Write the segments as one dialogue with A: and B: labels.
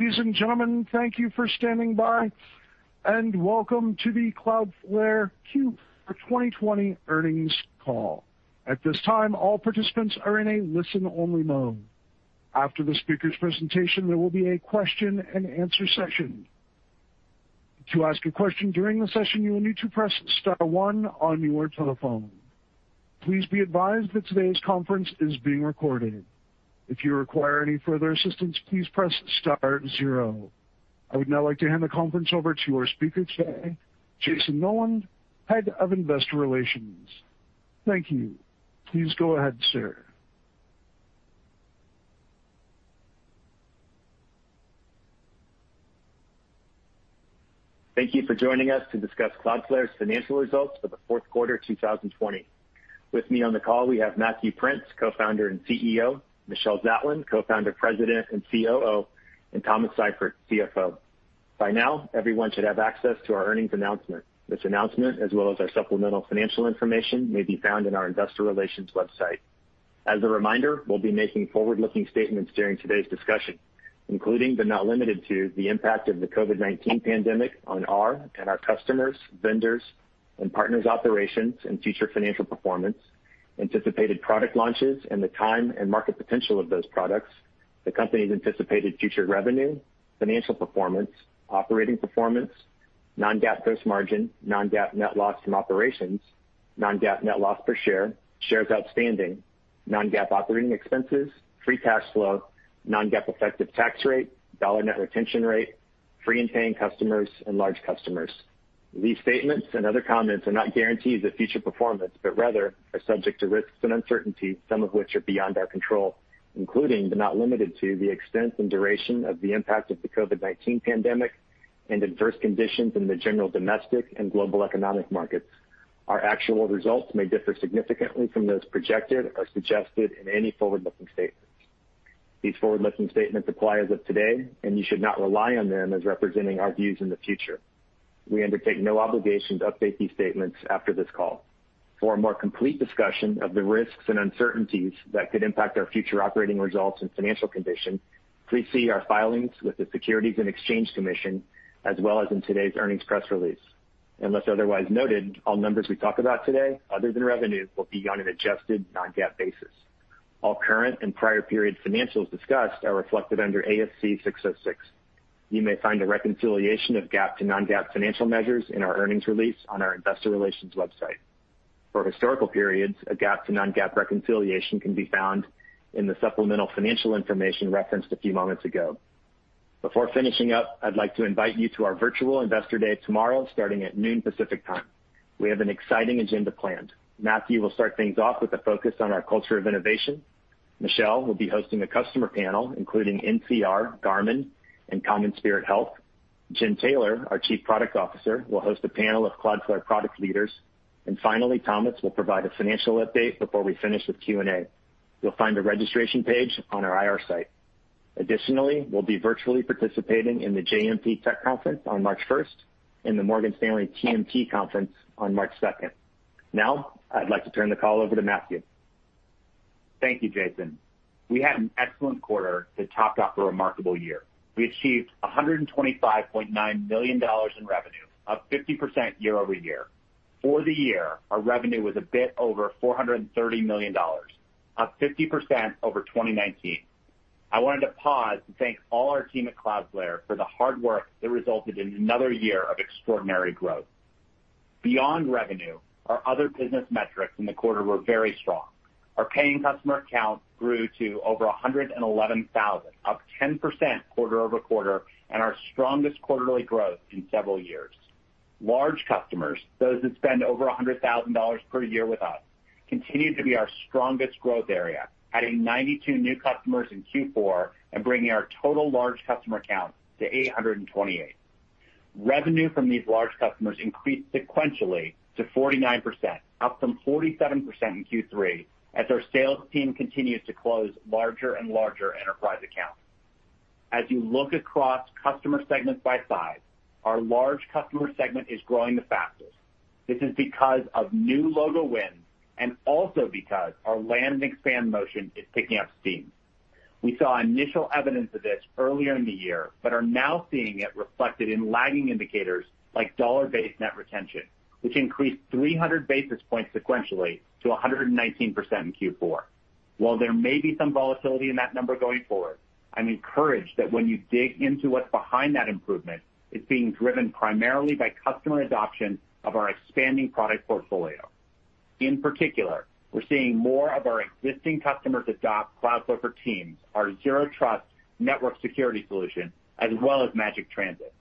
A: Ladies and gentlemen, thank you for standing by. Welcome to the Cloudflare Q4 2020 earnings call. At this time, all participants are in a listen-only mode. After the speaker's presentation, there will be a question-and-answer session. To ask a question during the session, you will need to press star one on your telephone. Please be advised that today's conference is being recorded. If you require any further assistance, please press star 0. I would now like to hand the conference over to our speaker today, Jayson Noland, Head of Investor Relations. Thank you. Please go ahead, sir.
B: Thank you for joining us to discuss Cloudflare's financial results for the fourth quarter 2020. With me on the call, we have Matthew Prince, Co-founder and CEO, Michelle Zatlyn, Co-founder, President, and COO, and Thomas Seifert, CFO. By now, everyone should have access to our earnings announcement. This announcement, as well as our supplemental financial information, may be found in our investor relations website. As a reminder, we'll be making forward-looking statements during today's discussion, including, but not limited to, the impact of the COVID-19 pandemic on our and our customers, vendors, and partners' operations and future financial performance, anticipated product launches, and the time and market potential of those products, the company's anticipated future revenue, financial performance, operating performance, non-GAAP gross margin, non-GAAP net loss from operations, non-GAAP net loss per share, shares outstanding, non-GAAP operating expenses, free cash flow, non-GAAP effective tax rate, dollar net retention rate, free and paying customers, and large customers. These statements and other comments are not guarantees of future performance, but rather are subject to risks and uncertainty, some of which are beyond our control, including but not limited to the extent and duration of the impact of the COVID-19 pandemic and adverse conditions in the general domestic and global economic markets. Our actual results may differ significantly from those projected or suggested in any forward-looking statements. These forward-looking statements apply as of today, and you should not rely on them as representing our views in the future. We undertake no obligation to update these statements after this call. For a more complete discussion of the risks and uncertainties that could impact our future operating results and financial condition, please see our filings with the Securities and Exchange Commission, as well as in today's earnings press release. Unless otherwise noted, all numbers we talk about today other than revenue will be on an adjusted non-GAAP basis. All current and prior period financials discussed are reflected under ASC 606. You may find a reconciliation of GAAP to non-GAAP financial measures in our earnings release on our investor relations website. For historical periods, a GAAP to non-GAAP reconciliation can be found in the supplemental financial information referenced a few moments ago. Before finishing up, I'd like to invite you to our virtual Investor Day tomorrow starting at noon Pacific Time. We have an exciting agenda planned. Matthew will start things off with a focus on our culture of innovation. Michelle will be hosting a customer panel, including NCR, Garmin, and CommonSpirit Health. Jen Taylor, our Chief Product Officer, will host a panel of Cloudflare product leaders. Finally, Thomas will provide a financial update before we finish with Q&A. You'll find the registration page on our IR site. Additionally, we'll be virtually participating in the JMP Tech Conference on March 1st and the Morgan Stanley TMT Conference on March 2nd. Now, I'd like to turn the call over to Matthew. Thank you, Jayson.
C: We had an excellent quarter to top off a remarkable year. We achieved $125.9 million in revenue, up 50% year-over-year. For the year, our revenue was a bit over $430 million, up 50% over 2019. I wanted to pause and thank all our team at Cloudflare for the hard work that resulted in another year of extraordinary growth. Beyond revenue, our other business metrics in the quarter were very strong. Our paying customer count grew to over 111,000, up 10% quarter-over-quarter, and our strongest quarterly growth in several years. Large customers, those that spend over $100,000 per year with us, continue to be our strongest growth area, adding 92 new customers in Q4 and bringing our total large customer count to 828. Revenue from these large customers increased sequentially to 49%, up from 47% in Q3, as our sales team continues to close larger and larger enterprise accounts. As you look across customer segments by size, our large customer segment is growing the fastest. This is because of new logo wins and also because our land and expand motion is picking up steam. We saw initial evidence of this earlier in the year, but are now seeing it reflected in lagging indicators like Dollar-Based Net Retention, which increased 300 basis points sequentially to 119% in Q4. While there may be some volatility in that number going forward, I'm encouraged that when you dig into what's behind that improvement, it's being driven primarily by customer adoption of our expanding product portfolio. In particular, we're seeing more of our existing customers adopt Cloudflare for Teams, our Zero Trust network security solution, as well as Magic Transit.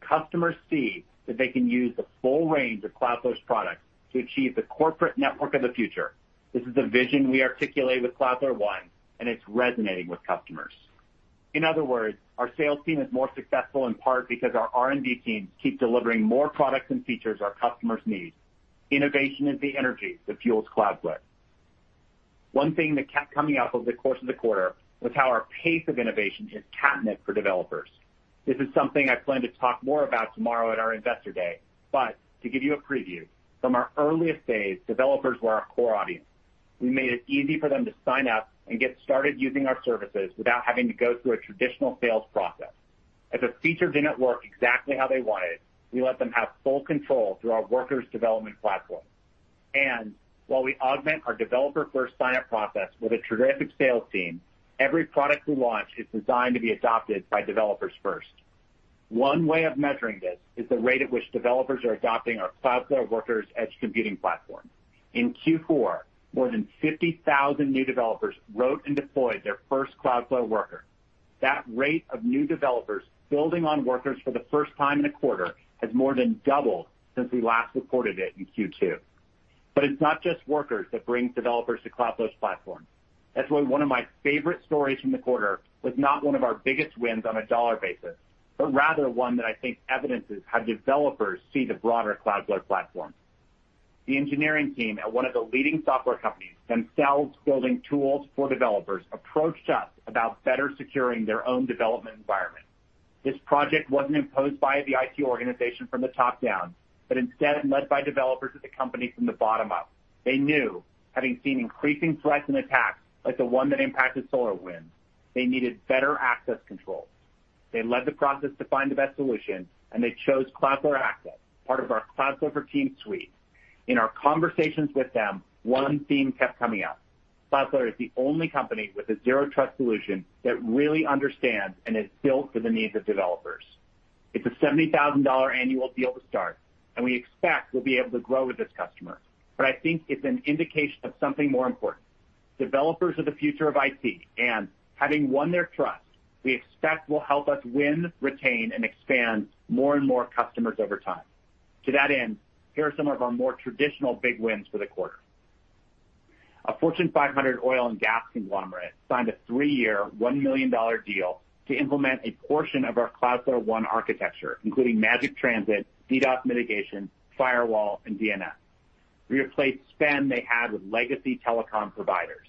C: Customers see that they can use the full range of Cloudflare's products to achieve the corporate network of the future. This is the vision we articulate with Cloudflare One, and it's resonating with customers. In other words, our sales team is more successful in part because our R&D teams keep delivering more products and features our customers need. Innovation is the energy that fuels Cloudflare. One thing that kept coming up over the course of the quarter was how our pace of innovation is catnip for developers. This is something I plan to talk more about tomorrow at our Investor Day. To give you a preview, from our earliest days, developers were our core audience. We made it easy for them to sign up and get started using our services without having to go through a traditional sales process. If a feature didn't work exactly how they wanted, we let them have full control through our Workers development platform. While we augment our developer-first sign-up process with a terrific sales team, every product we launch is designed to be adopted by developers first. One way of measuring this is the rate at which developers are adopting our Cloudflare Workers edge computing platform. In Q4, more than 50,000 new developers wrote and deployed their first Cloudflare Worker. That rate of new developers building on Workers for the first time in a quarter has more than doubled since we last reported it in Q2. It's not just Workers that brings developers to Cloudflare's platform. That's why one of my favorite stories from the quarter was not one of our biggest wins on a dollar basis, but rather one that I think evidences how developers see the broader Cloudflare platform. The engineering team at one of the leading software companies, themselves building tools for developers, approached us about better securing their own development environment. This project wasn't imposed by the IT organization from the top down, but instead led by developers at the company from the bottom up. They knew, having seen increasing threats and attacks like the one that impacted SolarWinds, they needed better access control. They led the process to find the best solution, and they chose Cloudflare Access, part of our Cloudflare for Teams suite. In our conversations with them, one theme kept coming up. Cloudflare is the only company with a Zero Trust solution that really understands and is built for the needs of developers. It's a $70,000 annual deal to start, and we expect we'll be able to grow with this customer. I think it's an indication of something more important. Developers are the future of IT, and having won their trust, we expect will help us win, retain, and expand more and more customers over time. To that end, here are some of our more traditional big wins for the quarter. A Fortune 500 oil and gas conglomerate signed a three-year, $1 million deal to implement a portion of our Cloudflare One architecture, including Magic Transit, DDoS mitigation, firewall, and DNS. We replaced spend they had with legacy telecom providers.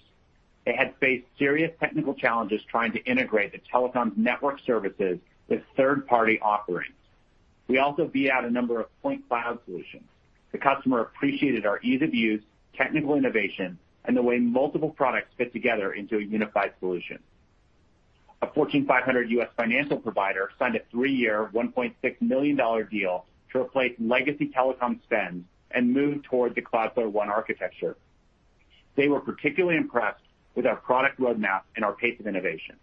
C: They had faced serious technical challenges trying to integrate the telecom's network services with third-party offerings. We also beat out a number of point cloud solutions. The customer appreciated our ease of use, technical innovation, and the way multiple products fit together into a unified solution. A Fortune 500 U.S. financial provider signed a three-year, $1.6 million deal to replace legacy telecom spend and move toward the Cloudflare One architecture. They were particularly impressed with our product roadmap and our pace of innovation.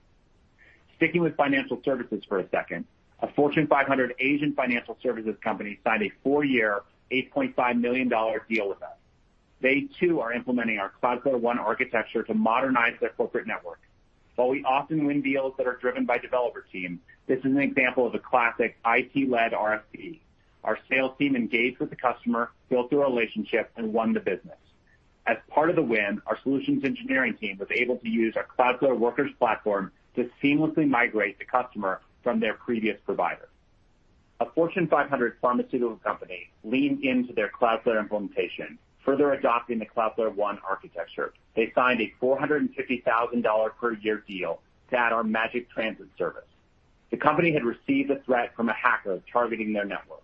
C: Sticking with financial services for a second, a Fortune 500 Asian financial services company signed a four-year, $8.5 million deal with us. They, too, are implementing our Cloudflare One architecture to modernize their corporate network. While we often win deals that are driven by developer teams, this is an example of a classic IT-led RFP. Our sales team engaged with the customer, built the relationship, and won the business. As part of the win, our solutions engineering team was able to use our Cloudflare Workers platform to seamlessly migrate the customer from their previous provider. A Fortune 500 pharmaceutical company leaned into their Cloudflare implementation, further adopting the Cloudflare One architecture. They signed a $450,000 per year deal to add our Magic Transit service. The company had received a threat from a hacker targeting their network.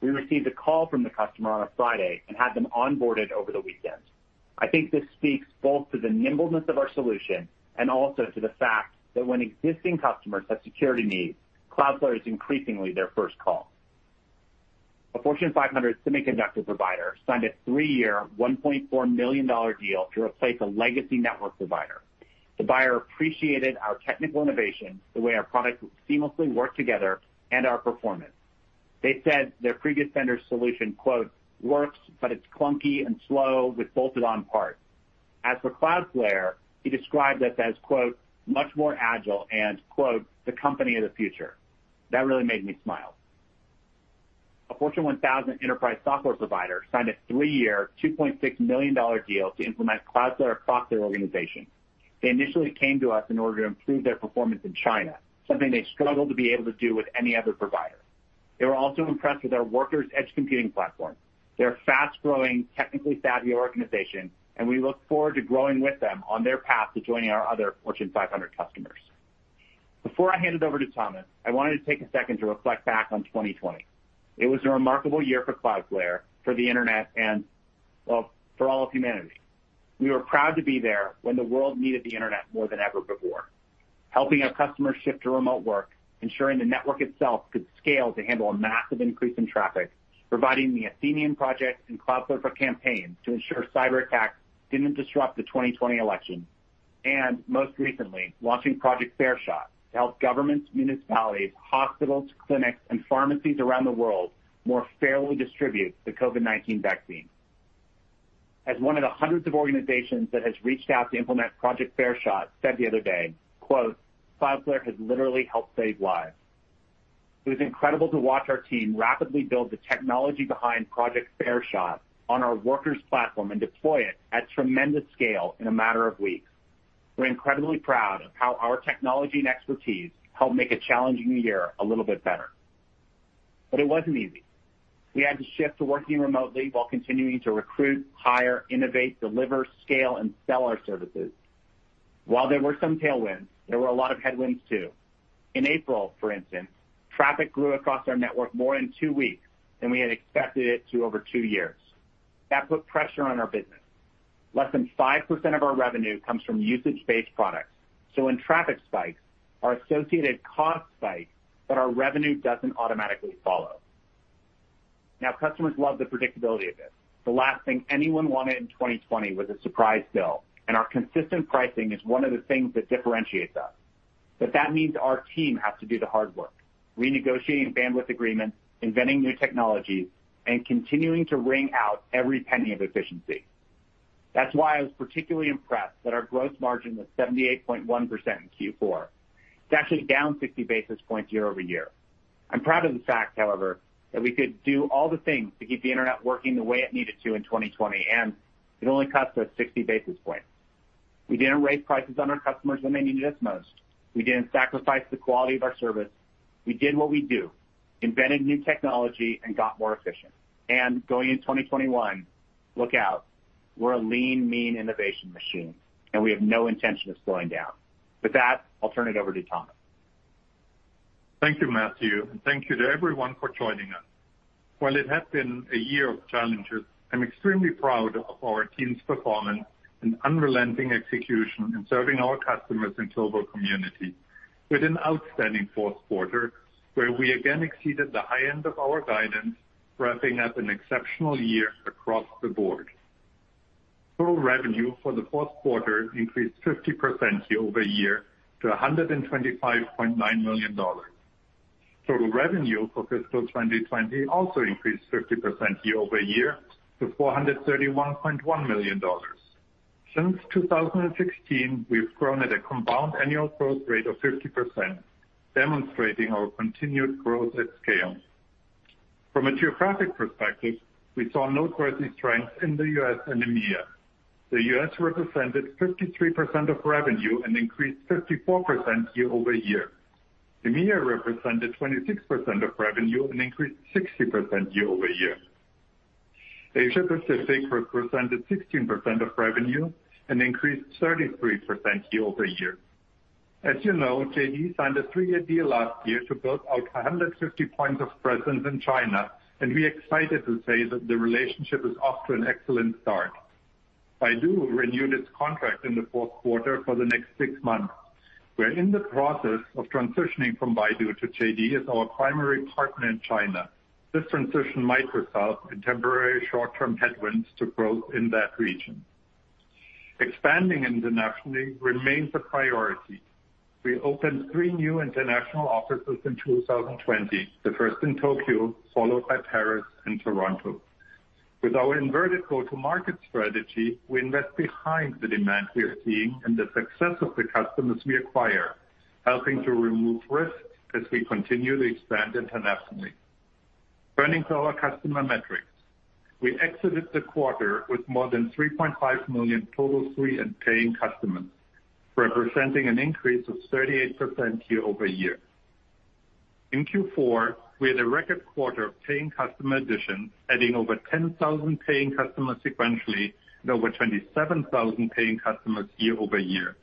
C: We received a call from the customer on a Friday and had them onboarded over the weekend. I think this speaks both to the nimbleness of our solution and also to the fact that when existing customers have security needs, Cloudflare is increasingly their first call. A Fortune 500 semiconductor provider signed a three-year, $1.4 million deal to replace a legacy network provider. The buyer appreciated our technical innovation, the way our products seamlessly work together, and our performance. They said their previous vendor's solution, quote, "Works, but it's clunky and slow with bolted-on parts." As for Cloudflare, he described us as, quote, "Much more agile," and, quote, "The company of the future." That really made me smile. A Fortune 1000 enterprise software provider signed a three-year, $2.6 million deal to implement Cloudflare across their organization. They initially came to us in order to improve their performance in China, something they struggled to be able to do with any other provider. They were also impressed with our Workers edge computing platform. They're a fast-growing, technically savvy organization, and we look forward to growing with them on their path to joining our other Fortune 500 customers. Before I hand it over to Thomas, I wanted to take a second to reflect back on 2020. It was a remarkable year for Cloudflare, for the internet, and, well, for all of humanity. We were proud to be there when the world needed the internet more than ever before. Helping our customers shift to remote work, ensuring the network itself could scale to handle a massive increase in traffic, providing the Athenian Project and Cloudflare for Campaigns to ensure cyberattacks didn't disrupt the 2020 election, and most recently, launching Project Fair Shot to help governments, municipalities, hospitals, clinics, and pharmacies around the world more fairly distribute the COVID-19 vaccine. As one of the hundreds of organizations that has reached out to implement Project Fair Shot said the other day, quote, "Cloudflare has literally helped save lives." It was incredible to watch our team rapidly build the technology behind Project Fair Shot on our Workers platform and deploy it at tremendous scale in a matter of weeks. We're incredibly proud of how our technology and expertise helped make a challenging year a little bit better. It wasn't easy. We had to shift to working remotely while continuing to recruit, hire, innovate, deliver, scale, and sell our services. While there were some tailwinds, there were a lot of headwinds too. In April, for instance, traffic grew across our network more in two weeks than we had expected it to over two years. That put pressure on our business. Less than 5% of our revenue comes from usage-based products, so when traffic spikes, our associated costs spike, but our revenue doesn't automatically follow. Customers love the predictability of this. The last thing anyone wanted in 2020 was a surprise bill, and our consistent pricing is one of the things that differentiates us. That means our team has to do the hard work, renegotiating bandwidth agreements, inventing new technologies, and continuing to wring out every penny of efficiency. That's why I was particularly impressed that our gross margin was 78.1% in Q4. It's actually down 50 basis points year-over-year. I'm proud of the fact, however, that we could do all the things to keep the Internet working the way it needed to in 2020, and it only cost us 60 basis points. We didn't raise prices on our customers when they needed us most. We didn't sacrifice the quality of our service. We did what we do, invented new technology and got more efficient. Going in 2021, look out, we're a lean, mean innovation machine, and we have no intention of slowing down. With that, I'll turn it over to Thomas.
D: Thank you, Matthew, and thank you to everyone for joining us. While it has been a year of challenges, I'm extremely proud of our team's performance and unrelenting execution in serving our customers and global community. With an outstanding fourth quarter, where we again exceeded the high end of our guidance, wrapping up an exceptional year across the board. Total revenue for the fourth quarter increased 50% year-over-year to $125.9 million. Total revenue for fiscal 2020 also increased 50% year-over-year to $431.1 million. Since 2016, we've grown at a compound annual growth rate of 50%, demonstrating our continued growth at scale. From a geographic perspective, we saw noteworthy strengths in the U.S. and EMEA. The U.S. represented 53% of revenue and increased 54% year-over-year. EMEA represented 26% of revenue and increased 60% year-over-year. Asia-Pacific represented 16% of revenue and increased 33% year-over-year. As you know, JD signed a three-year deal last year to build out 150 points of presence in China, and we are excited to say that the relationship is off to an excellent start. Baidu renewed its contract in the fourth quarter for the next six months. We are in the process of transitioning from Baidu to JD as our primary partner in China. This transition might result in temporary short-term headwinds to growth in that region. Expanding internationally remains a priority. We opened three new international offices in 2020, the first in Tokyo, followed by Paris and Toronto. With our inverted go-to-market strategy, we invest behind the demand we are seeing and the success of the customers we acquire, helping to remove risk as we continue to expand internationally. Turning to our customer metrics. We exited the quarter with more than 3.5 million total free and paying customers, representing an increase of 38% year-over-year. In Q4, we had a record quarter of paying customer additions, adding over 10,000 paying customers sequentially and over 27,000 paying customers year-over-year.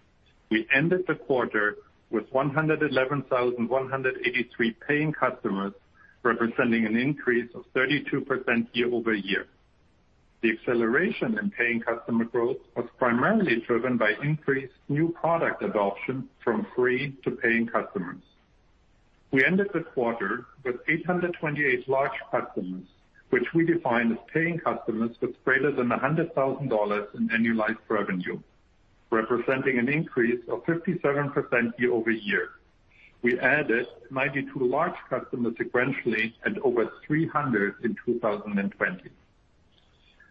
D: We ended the quarter with 111,183 paying customers, representing an increase of 32% year-over-year. The acceleration in paying customer growth was primarily driven by increased new product adoption from free to paying customers. We ended the quarter with 828 large customers, which we define as paying customers with greater than $100,000 in annualized revenue, representing an increase of 57% year-over-year. We added 92 large customers sequentially and over 300 in 2020.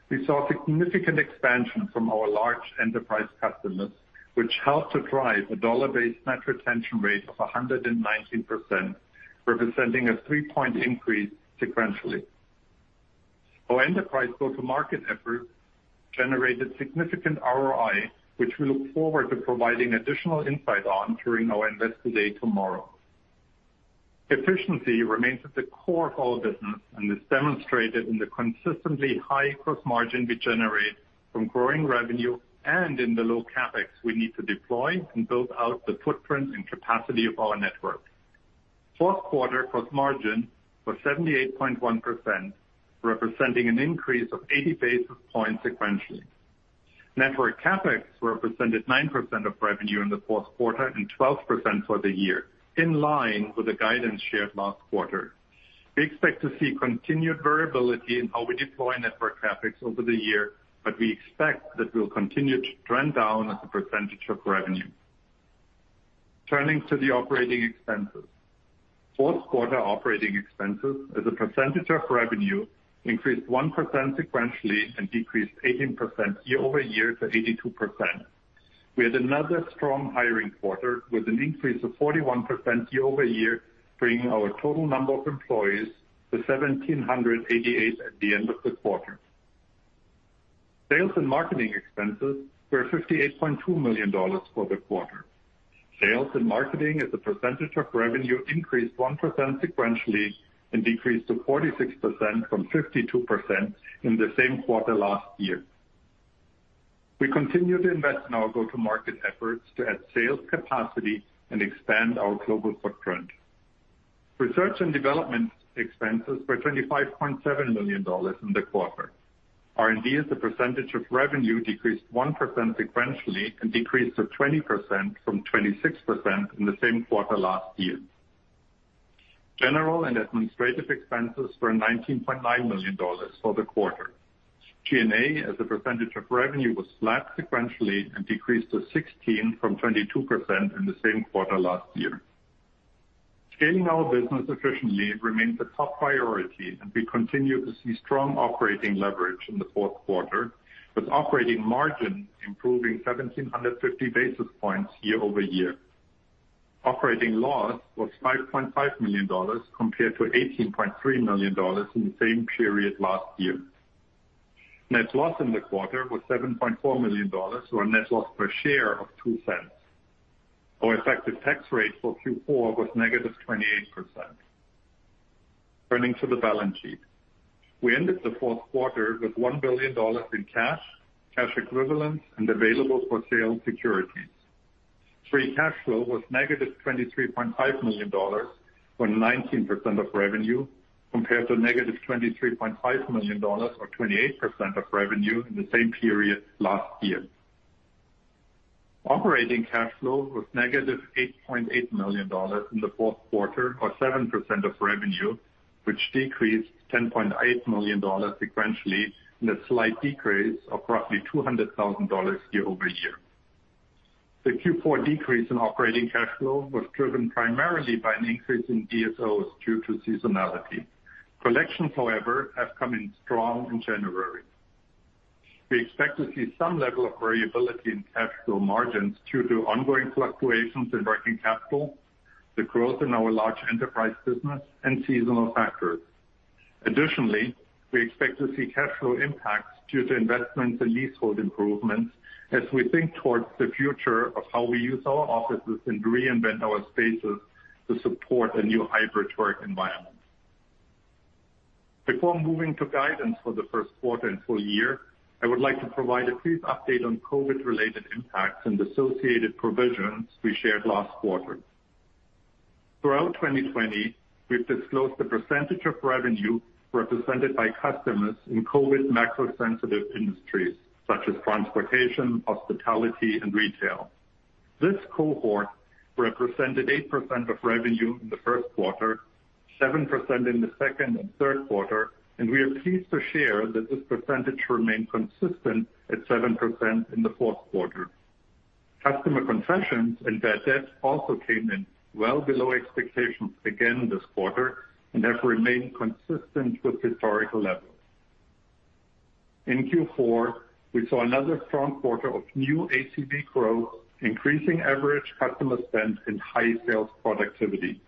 D: We saw significant expansion from our large enterprise customers, which helped to drive a dollar-based net retention rate of 119%, representing a three-point increase sequentially. Our enterprise go-to-market efforts generated significant ROI, which we look forward to providing additional insight on during our Investor Day tomorrow. Efficiency remains at the core of our business and is demonstrated in the consistently high gross margin we generate from growing revenue and in the low CapEx we need to deploy and build out the footprint and capacity of our network. Fourth quarter gross margin was 78.1%, representing an increase of 80 basis points sequentially. Network CapEx represented 9% of revenue in the fourth quarter and 12% for the year, in line with the guidance shared last quarter. We expect to see continued variability in how we deploy network CapEx over the year, but we expect that we'll continue to trend down as a percentage of revenue. Turning to the operating expenses. Fourth quarter operating expenses as a percentage of revenue increased 1% sequentially and decreased 18% year-over-year to 82%. We had another strong hiring quarter with an increase of 41% year-over-year, bringing our total number of employees to 1,788 at the end of the quarter. Sales and marketing expenses were $58.2 million for the quarter. Sales and marketing as a percentage of revenue increased 1% sequentially and decreased to 46% from 52% in the same quarter last year. We continue to invest in our go-to-market efforts to add sales capacity and expand our global footprint. Research and development expenses were $25.7 million in the quarter. R&D as a percentage of revenue decreased 1% sequentially and decreased to 20% from 26% in the same quarter last year. General and administrative expenses were $19.9 million for the quarter. G&A as a percentage of revenue was flat sequentially and decreased to 16% from 22% in the same quarter last year. Scaling our business efficiently remains a top priority, and we continue to see strong operating leverage in the fourth quarter, with operating margin improving 1,750 basis points year-over-year. Operating loss was $5.5 million compared to $18.3 million in the same period last year. Net loss in the quarter was $7.4 million, or a net loss per share of $0.02. Our effective tax rate for Q4 was -28%. Turning to the balance sheet. We ended the fourth quarter with $1 billion in cash equivalents, and available for sale securities. Free cash flow was -$23.5 million, or 19% of revenue, compared to -$23.5 million or 28% of revenue in the same period last year. Operating cash flow was negative $8.8 million in the fourth quarter, or 7% of revenue, which decreased $10.8 million sequentially and a slight decrease of roughly $200,000 year-over-year. The Q4 decrease in operating cash flow was driven primarily by an increase in DSO due to seasonality. Collections, however, have come in strong in January. We expect to see some level of variability in cash flow margins due to ongoing fluctuations in working capital, the growth in our large enterprise business and seasonal factors. Additionally, we expect to see cash flow impacts due to investments and leasehold improvements as we think towards the future of how we use our offices and reinvent our spaces to support a new hybrid work environment. Before moving to guidance for the first quarter and full year, I would like to provide a brief update on COVID-19-related impacts and associated provisions we shared last quarter. Throughout 2020, we've disclosed the percentage of revenue represented by customers in COVID-19 macro-sensitive industries such as transportation, hospitality and retail. This cohort represented 8% of revenue in the first quarter, 7% in the second and third quarter, and we are pleased to share that this percentage remained consistent at 7% in the fourth quarter. Customer concessions and bad debts also came in well below expectations again this quarter and have remained consistent with historical levels. In Q4, we saw another strong quarter of new ACV growth, increasing average customer spend and high sales productivity.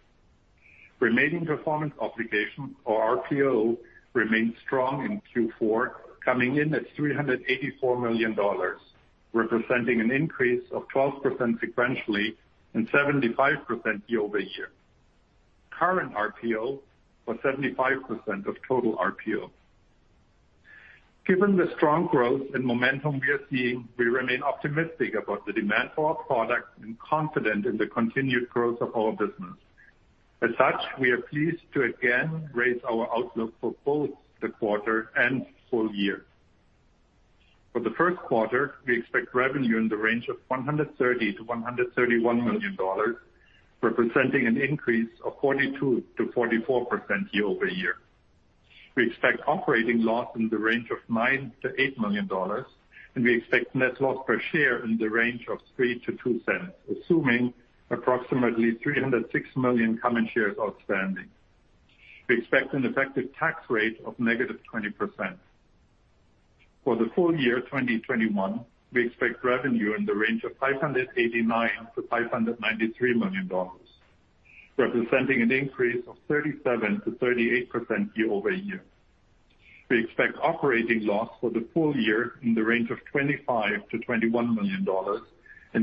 D: Remaining performance obligations or RPO remained strong in Q4, coming in at $384 million, representing an increase of 12% sequentially and 75% year-over-year. Current RPO was 75% of total RPO. Given the strong growth and momentum we are seeing, we remain optimistic about the demand for our products and confident in the continued growth of our business. As such, we are pleased to again raise our outlook for both the quarter and full year. For the first quarter, we expect revenue in the range of $130 million-$131 million, representing an increase of 42%-44% year-over-year. We expect operating loss in the range of $9 million-$8 million, we expect net loss per share in the range of $0.03-$0.02, assuming approximately 306 million common shares outstanding. We expect an effective tax rate of negative 20%. For the full year 2021, we expect revenue in the range of $589 million-$593 million, representing an increase of 37%-38% year-over-year. We expect operating loss for the full year in the range of $25 million-$21 million,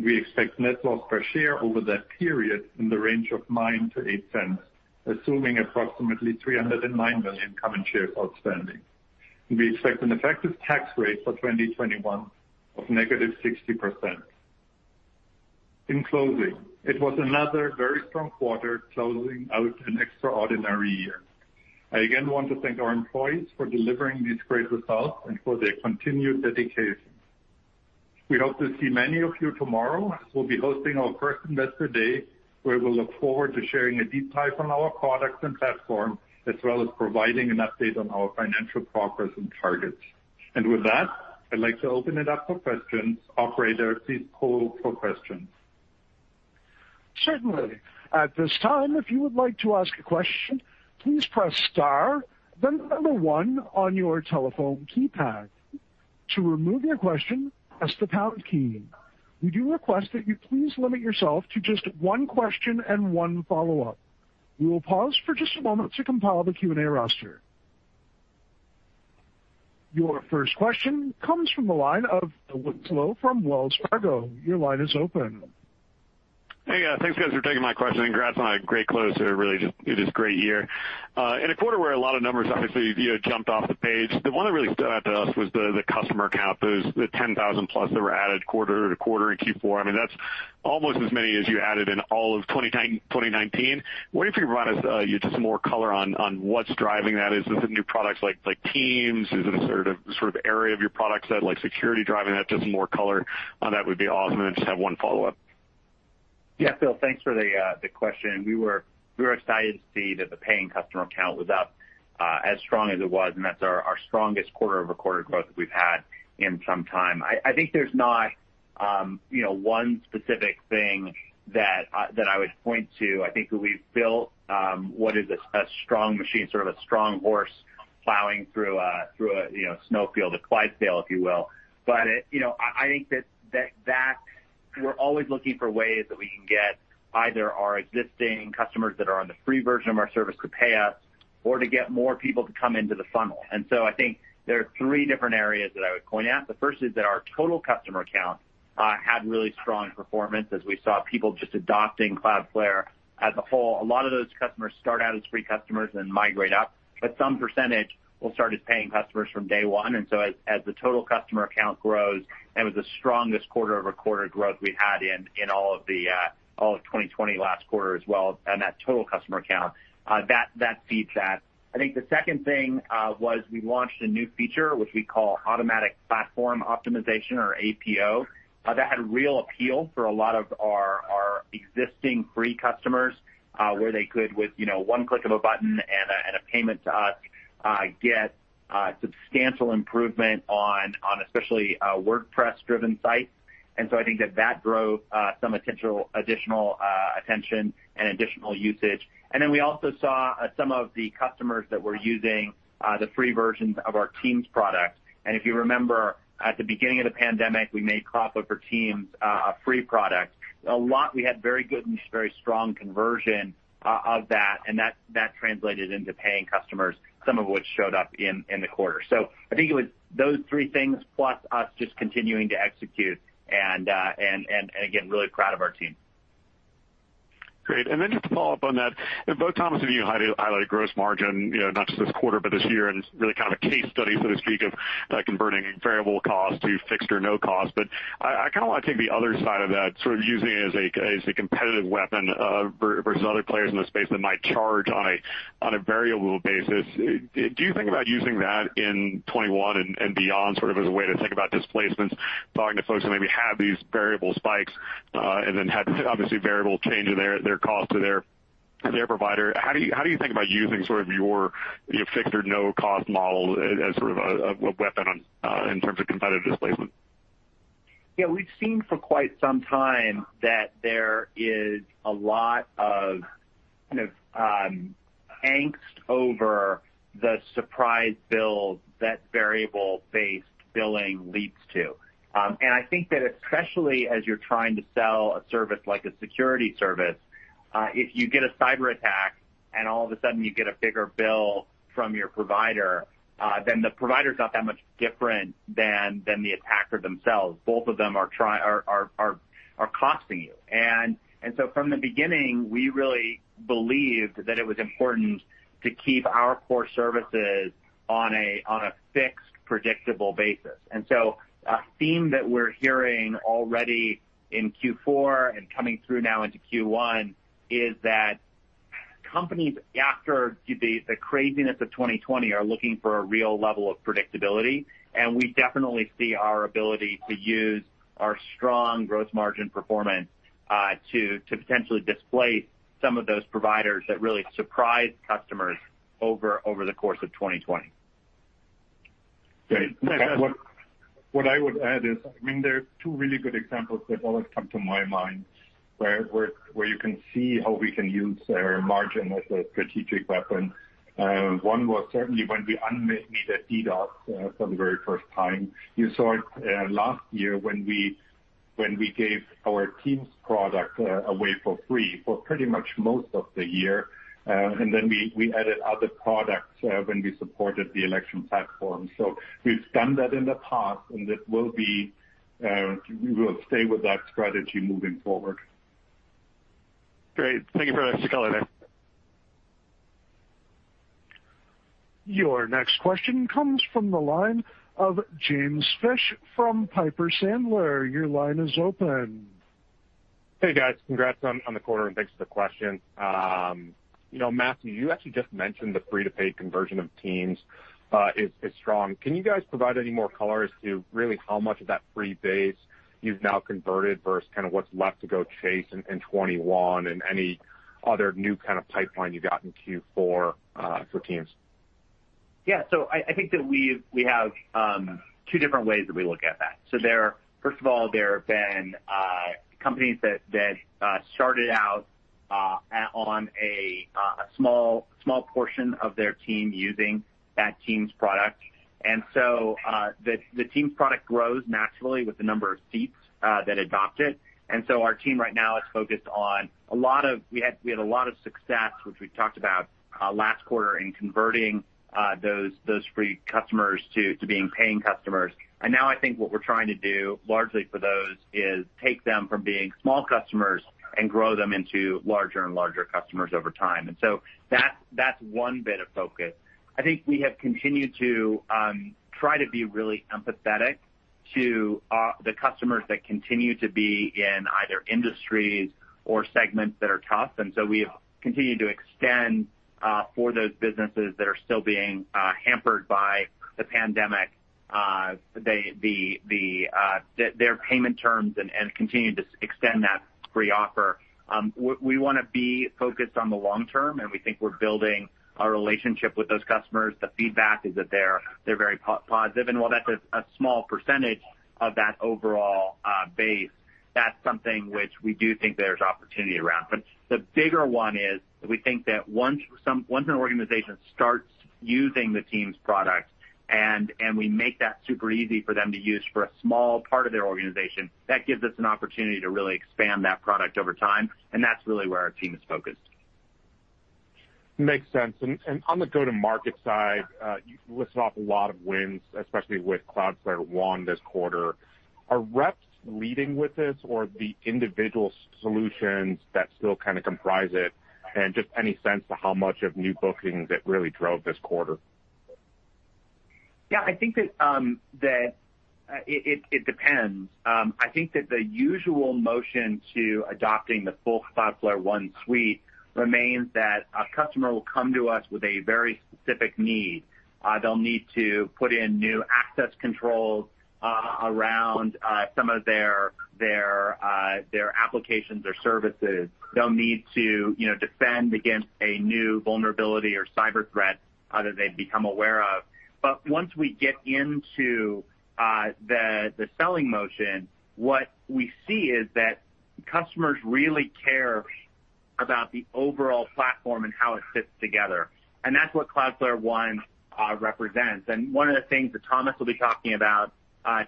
D: we expect net loss per share over that period in the range of $0.09-$0.08, assuming approximately 309 million common shares outstanding. We expect an effective tax rate for 2021 of negative 60%. In closing, it was another very strong quarter closing out an extraordinary year. I again want to thank our employees for delivering these great results and for their continued dedication. We hope to see many of you tomorrow. We'll be hosting our first Investor Day, where we look forward to sharing a deep dive on our products and platform, as well as providing an update on our financial progress and targets. With that, I'd like to open it up for questions. Operator, please poll for questions.
A: Certainly. At this time, if you would like to ask a question, please press star, then the number one on your telephone keypad. To remove your question, press the pound key. We do request that you please limit yourself to just one question and one follow-up. We will pause for just a moment to compile the Q&A roster. Your first question comes from the line of Phil Winslow from Wells Fargo. Your line is open.
E: Hey, guys. Thanks, guys, for taking my question, and congrats on a great close to a really just, it is great year. In a quarter where a lot of numbers obviously, you know, jumped off the page, the one that really stood out to us was the customer count, those, the 10,000 plus that were added quarter to quarter in Q4. I mean, that's almost as many as you added in all of 2019. Wondering if you'd run us just some more color on what's driving that. Is it the new products like Teams? Is it a sort of area of your product set like security driving that? Just more color on that would be awesome, and then just have one follow-up.
C: Phil, thanks for the question. We were excited to see that the paying customer count was up as strong as it was, and that's our strongest quarter-over-quarter growth we've had in some time. I think there's not, you know, one specific thing that I would point to. I think that we've built what is a strong machine, sort of a strong horse plowing through a, you know, snow field, a Clydesdale if you will. It, you know, I think that we're always looking for ways that we can get either our existing customers that are on the free version of our service to pay us or to get more people to come into the funnel. I think there are three different areas that I would point at. The first is that our total customer count had really strong performance as we saw people just adopting Cloudflare as a whole. A lot of those customers start out as free customers and migrate up, but some percentage will start as paying customers from day 1. As the total customer count grows, that was the strongest quarter-over-quarter growth we'd had in all of the all of 2020 last quarter as well on that total customer count. That feeds that. I think the second thing, was we launched a new feature which we call Automatic Platform Optimization or APO, that had real appeal for a lot of our existing free customers, where they could with, you know, one click of a button and a payment to us, get substantial improvement on especially, WordPress-driven sites. I think that drove some additional attention and additional usage. We also saw some of the customers that were using the free versions of our Teams product. If you remember, at the beginning of the pandemic, we made Cloudflare Teams a free product. A lot, we had very good and just very strong conversion of that, and that translated into paying customers, some of which showed up in the quarter. I think it was those three things plus us just continuing to execute and again, really proud of our team.
E: Great. Just to follow up on that, both Thomas and you highlighted gross margin, you know, not just this quarter, but this year, and really kind of a case study, so to speak, of converting variable cost to fixed or no cost. I kinda wanna take the other side of that, sort of using it as a competitive weapon, versus other players in the space that might charge on a variable basis. Do you think about using that in 2021 and beyond, sort of as a way to think about displacements, talking to folks who maybe have these variable spikes, and then had obviously variable change in their cost to their, to their provider? How do you think about using sort of your fixed or no cost model as sort of a weapon on in terms of competitive displacement?
C: Yeah. We've seen for quite some time that there is a lot of, you know, angst over the surprise bills that variable-based billing leads to. I think that especially as you're trying to sell a service like a security service, if you get a cyberattack, and all of a sudden you get a bigger bill from your provider, then the provider's not that much different than the attacker themselves. Both of them are costing you. From the beginning, we really believed that it was important to keep our core services on a fixed, predictable basis. A theme that we're hearing already in Q4 and coming through now into Q1 is that companies, after the craziness of 2020 are looking for a real level of predictability, and we definitely see our ability to use our strong gross margin performance to potentially displace some of those providers that really surprised customers over the course of 2020.
E: Great.
C: Yeah.
D: What I would add is, there are two really good examples that always come to my mind where you can see how we can use our margin as a strategic weapon. One was certainly when we unmetered DDoS for the very first time. You saw it last year when we gave our Teams product away for free for pretty much most of the year. Then we added other products when we supported the election platform. We've done that in the past, and it will be, we will stay with that strategy moving forward.
E: Great. Thank you very much, [Phil and Eric].
A: Your next question comes from the line of James Fish from Piper Sandler.
F: Hey, guys. Congrats on the quarter. Thanks for the question. You know, Matthew, you actually just mentioned the free-to-paid conversion of Cloudflare for Teams is strong. Can you guys provide any more color as to really how much of that free base you've now converted versus kind of what's left to go chase in 2021 and any other new kind of pipeline you got in Q4 for Cloudflare for Teams?
C: Yeah. I think that we have two different ways that we look at that. There, first of all, there have been companies that started out on a small portion of their team using that Teams product. The Teams product grows naturally with the number of seats that adopt it. Our team right now is focused on a lot of success, which we've talked about last quarter in converting those free customers to being paying customers. Now I think what we're trying to do largely for those is take them from being small customers and grow them into larger and larger customers over time. That's one bit of focus. I think we have continued to try to be really empathetic to the customers that continue to be in either industries or segments that are tough. We have continued to extend for those businesses that are still being hampered by the pandemic, the their payment terms and continue to extend that free offer. We wanna be focused on the long term, and we think we're building a relationship with those customers. The feedback is that they're very positive. While that's a small percentage of that overall base, that's something which we do think there's opportunity around. The bigger one is we think that once an organization starts using the Teams product and we make that super easy for them to use for a small part of their organization, that gives us an opportunity to really expand that product over time, and that's really where our team is focused.
F: Makes sense. On the go-to-market side, you listed off a lot of wins, especially with Cloudflare One this quarter. Are reps leading with this or the individual solutions that still kinda comprise it? Just any sense to how much of new bookings it really drove this quarter?
C: Yeah, I think that it depends. I think that the usual motion to adopting the full Cloudflare One suite remains that a customer will come to us with a very specific need. They'll need to put in new access controls around some of their applications or services. They'll need to, you know, defend against a new vulnerability or cyber threat that they've become aware of. Once we get into the selling motion, what we see is that customers really care about the overall platform and how it fits together, and that's what Cloudflare One represents. One of the things that Thomas will be talking about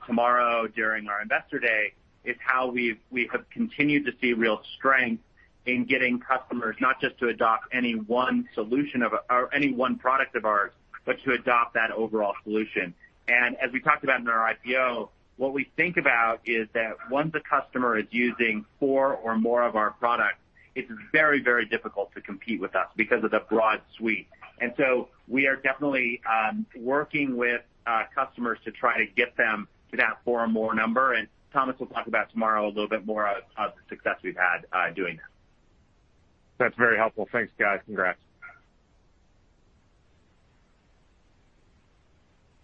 C: tomorrow during our investor day is how we have continued to see real strength in getting customers, not just to adopt any one solution or any one product of ours, but to adopt that overall solution. As we talked about in our IPO, what we think about is that once a customer is using four or more of our products, it's very, very difficult to compete with us because of the broad suite. We are definitely working with customers to try to get them to that four or more number, Thomas will talk about tomorrow a little bit more of the success we've had doing that.
F: That's very helpful. Thanks, guys. Congrats.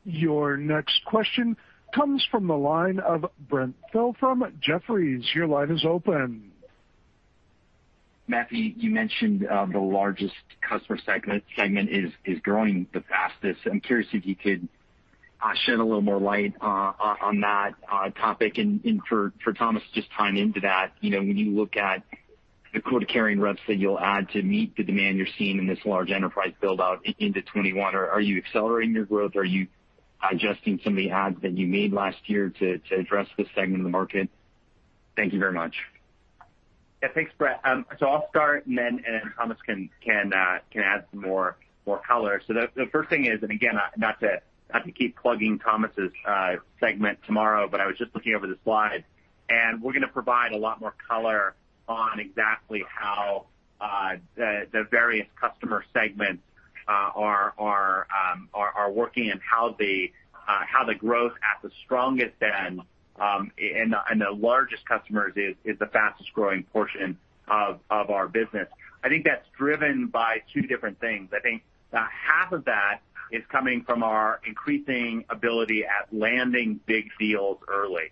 A: Your next question comes from the line of Brent Thill from Jefferies. Your line is open.
G: Matthew, you mentioned the largest customer segment is growing the fastest. I'm curious if you could shed a little more light on that topic. For Thomas, just tying into that, you know, when you look at the quota-carrying reps that you'll add to meet the demand you're seeing in this large enterprise build-out into 2021, are you accelerating your growth? Are you adjusting some of the adds that you made last year to address this segment of the market? Thank you very much.
C: Thanks, Brent. I'll start, and then Thomas can add some more color. The first thing is, again, not to keep plugging Thomas' segment tomorrow, I was just looking over the slides, we're gonna provide a lot more color on exactly how the various customer segments are working and how the growth at the strongest end and the largest customers is the fastest-growing portion of our business. I think that's driven by two different things. I think about half of that is coming from our increasing ability at landing big deals early.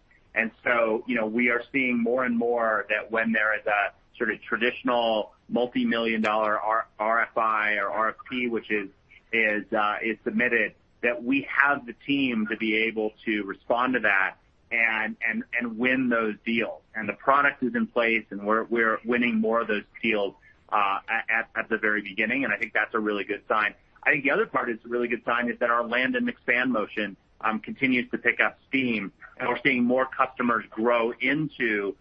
C: You know, we are seeing more and more that when there is a sort of traditional multi-million-dollar RFI or RFP, which is submitted, that we have the team to be able to respond to that and win those deals. The product is in place, and we're winning more of those deals at the very beginning, and I think that's a really good sign. I think the other part that's a really good sign is that our land and expand motion continues to pick up steam, and we're seeing more customers grow into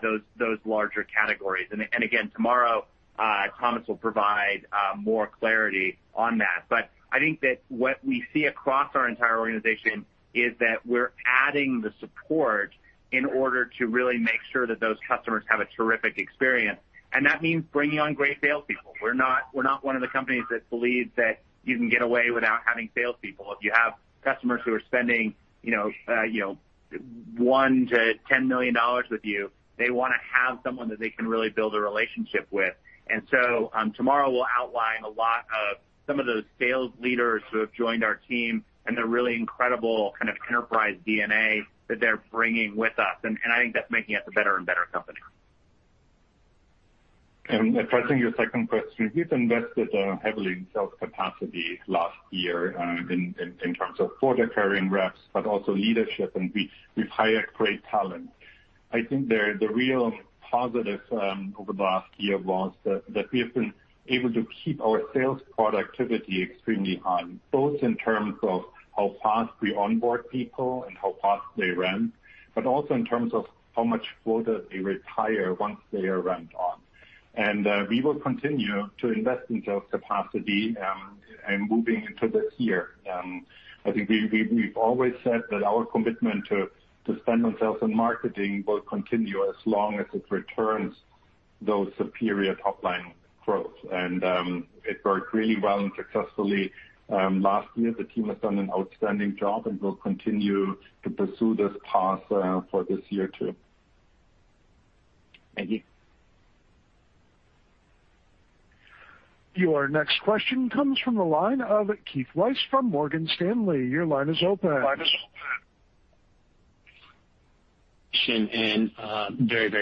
C: those larger categories. Again, tomorrow, Thomas will provide more clarity on that. I think that what we see across our entire organization is that we're adding the support in order to really make sure that those customers have a terrific experience, and that means bringing on great salespeople. We're not one of the companies that believes that you can get away without having salespeople. If you have customers who are spending, you know, $1 million-$10 million with you, they wanna have someone that they can really build a relationship with. Tomorrow we'll outline a lot of some of those sales leaders who have joined our team and the really incredible kind of enterprise DNA that they're bringing with us, and I think that's making us a better and better company.
D: Addressing your second question, we've invested heavily in sales capacity last year in terms of quota-carrying reps, but also leadership, and we've hired great talent. I think the real positive over the last year was that we have been able to keep our sales productivity extremely high, both in terms of how fast we onboard people and how fast they ramp, but also in terms of how much quota they retire once they are ramped on. We will continue to invest in sales capacity, and moving into this year. I think we've always said that our commitment to spend on sales and marketing will continue as long as it returns those superior top-line growth. It worked really well and successfully last year. The team has done an outstanding job, and we'll continue to pursue this path for this year too.
A: Thank you. Your next question comes from the line of Keith Weiss from Morgan Stanley. Your line is open.
H: Very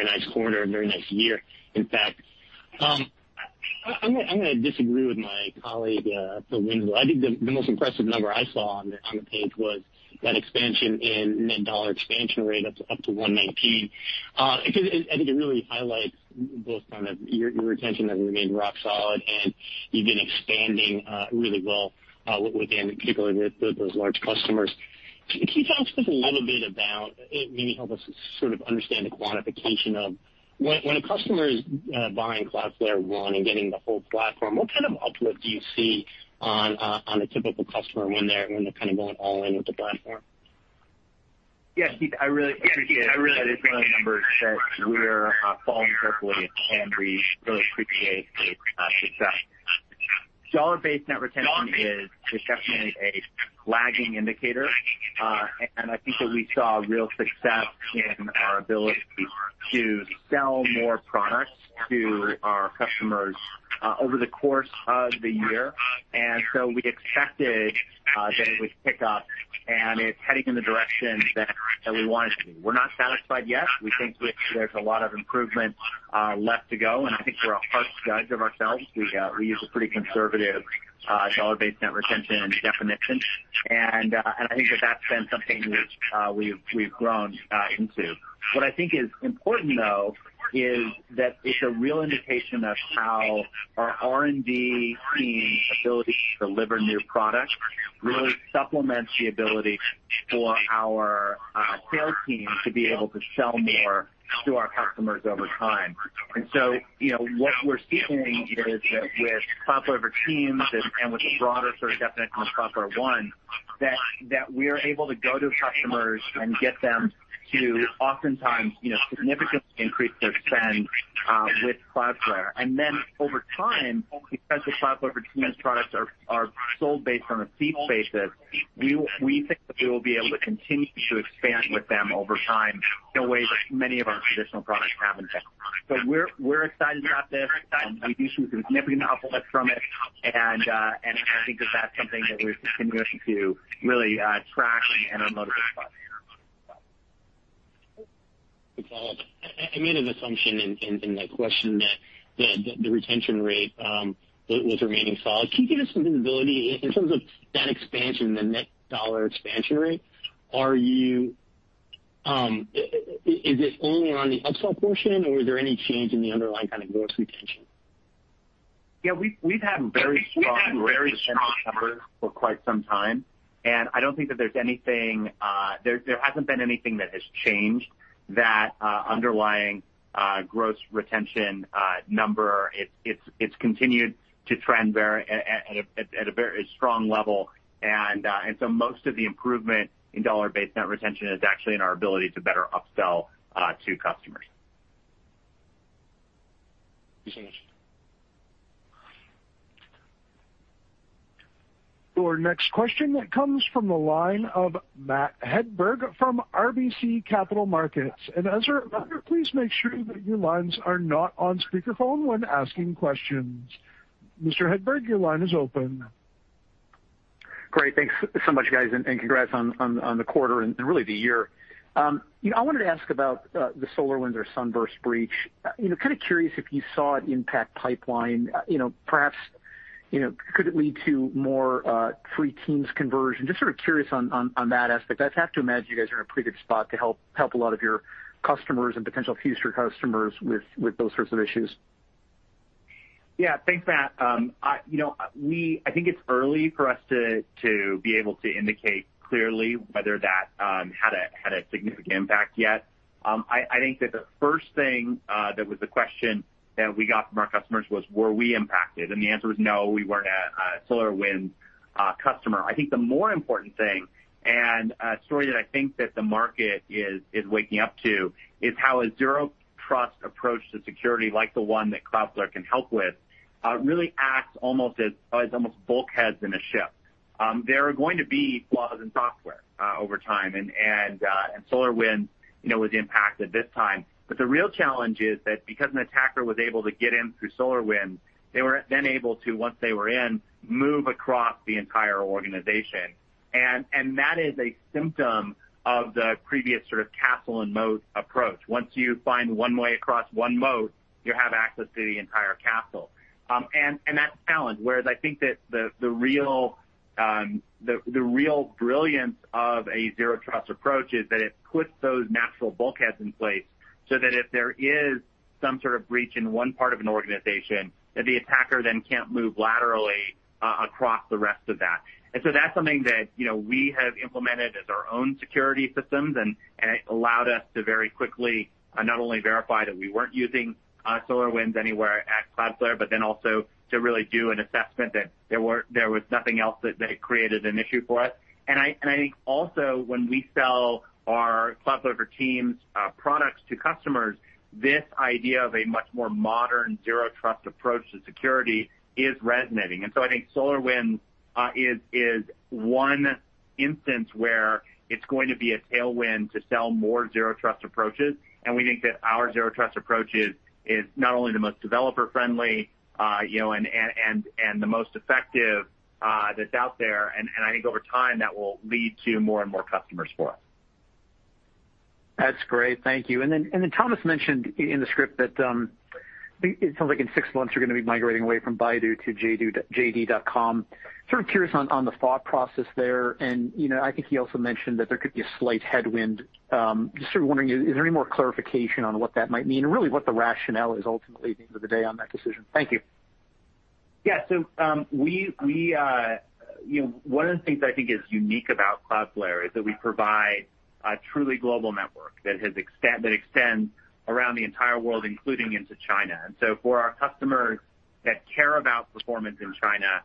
H: nice quarter and very nice year, in fact. I'm gonna disagree with my colleague, Phil Winslow. I think the most impressive number I saw on the page was that expansion in net dollar expansion rate up to 119. Because I think it really highlights both kind of your retention has remained rock solid, and you've been expanding really well within particularly with those large customers. Can you talk to us a little bit about maybe help us sort of understand the quantification of when a customer is buying Cloudflare One and getting the whole platform, what kind of uplift do you see on a typical customer when they're kind of going all in with the platform?
C: Yeah, Keith, I really appreciate it. I think one of the numbers that we're following carefully at [Handreef] really appreciates the success. Dollar-based net retention is definitely a lagging indicator. I think that we saw real success in our ability to sell more products to our customers over the course of the year. We expected that it would pick up, and it's heading in the direction that we want it to. We're not satisfied yet. We think that there's a lot of improvement left to go, and I think we're harsh judges of ourselves. We use a pretty conservative dollar-based net retention definition. I think that that's been something which we've grown into. What I think is important, though, is that it's a real indication of how our R&D team's ability to deliver new products really supplements the ability for our sales team to be able to sell more to our customers over time. You know, what we're seeing is that with Cloudflare for Teams and with the broader sort of definition of Cloudflare One, that we're able to go to customers and get them to oftentimes, you know, significantly increase their spend with Cloudflare. Then over time, because the Cloudflare for Teams products are sold based on a seat basis, we think that we will be able to continue to expand with them over time in a way that many of our traditional products haven't been. We're excited about this. We do see significant uplift from it. I think that that's something that we're continuing to really track and are motivated by.
H: To follow up, I made an assumption in the question that the retention rate was remaining solid. Can you give us some visibility in terms of that expansion, the net dollar expansion rate? Are you, is it only around the upsell portion, or is there any change in the underlying kind of gross retention?
C: Yeah, we've had very strong numbers for quite some time, and I don't think that there's anything, there hasn't been anything that has changed that underlying gross retention number. It's continued to trend at a very strong level. Most of the improvement in Dollar-Based Net Retention is actually in our ability to better upsell to customers.
H: Thank you.
A: Your next question comes from the line of Matthew Hedberg from RBC Capital Markets. As a reminder, please make sure that your lines are not on speakerphone when asking questions. Mr. Hedberg, your line is open.
I: Great. Thanks so much, guys, and congrats on the quarter and really the year. You know, I wanted to ask about the SolarWinds or Sunburst breach. You know, kinda curious if you saw it impact pipeline. You know, perhaps, you know, could it lead to more free teams conversion? Just sort of curious on that aspect. I'd have to imagine you guys are in a pretty good spot to help a lot of your customers and potential future customers with those sorts of issues.
C: Thanks, Matt. You know, I think it's early for us to be able to indicate clearly whether that had a significant impact yet. I think that the first thing that was the question that we got from our customers was, were we impacted? The answer was no, we weren't a SolarWinds customer. I think the more important thing, and a story that I think that the market is waking up to, is how a Zero Trust approach to security, like the one that Cloudflare can help with, really acts almost as almost bulkheads in a ship. There are going to be flaws in software over time. SolarWinds, you know, was impacted this time. The real challenge is that because an attacker was able to get in through SolarWinds, they were then able to, once they were in, move across the entire organization. That is a symptom of the previous sort of castle and moat approach. Once you find one way across one moat, you have access to the entire castle. That is a challenge. Whereas I think that the real brilliance of a Zero Trust approach is that it puts those natural bulkheads in place. That if there is some sort of breach in one part of an organization, that the attacker then can't move laterally across the rest of that. That's something that, you know, we have implemented as our own security systems, and it allowed us to very quickly not only verify that we weren't using SolarWinds anywhere at Cloudflare, also to really do an assessment that there was nothing else that had created an issue for us. I think also when we sell our Cloudflare for Teams products to customers, this idea of a much more modern Zero Trust approach to security is resonating. I think SolarWinds is one instance where it's going to be a tailwind to sell more Zero Trust approaches. We think that our Zero Trust approach is not only the most developer-friendly, you know, and the most effective that's out there. I think over time that will lead to more and more customers for us.
I: That's great. Thank you. Thomas mentioned in the script that, it sounds like in six months you're gonna be migrating away from Baidu to JD.com. Sort of curious on the thought process there. You know, I think he also mentioned that there could be a slight headwind. Just sort of wondering, is there any more clarification on what that might mean, and really what the rationale is ultimately at the end of the day on that decision? Thank you.
C: Yeah. We, you know, one of the things I think is unique about Cloudflare is that we provide a truly global network that extends around the entire world, including into China. For our customers that care about performance in China,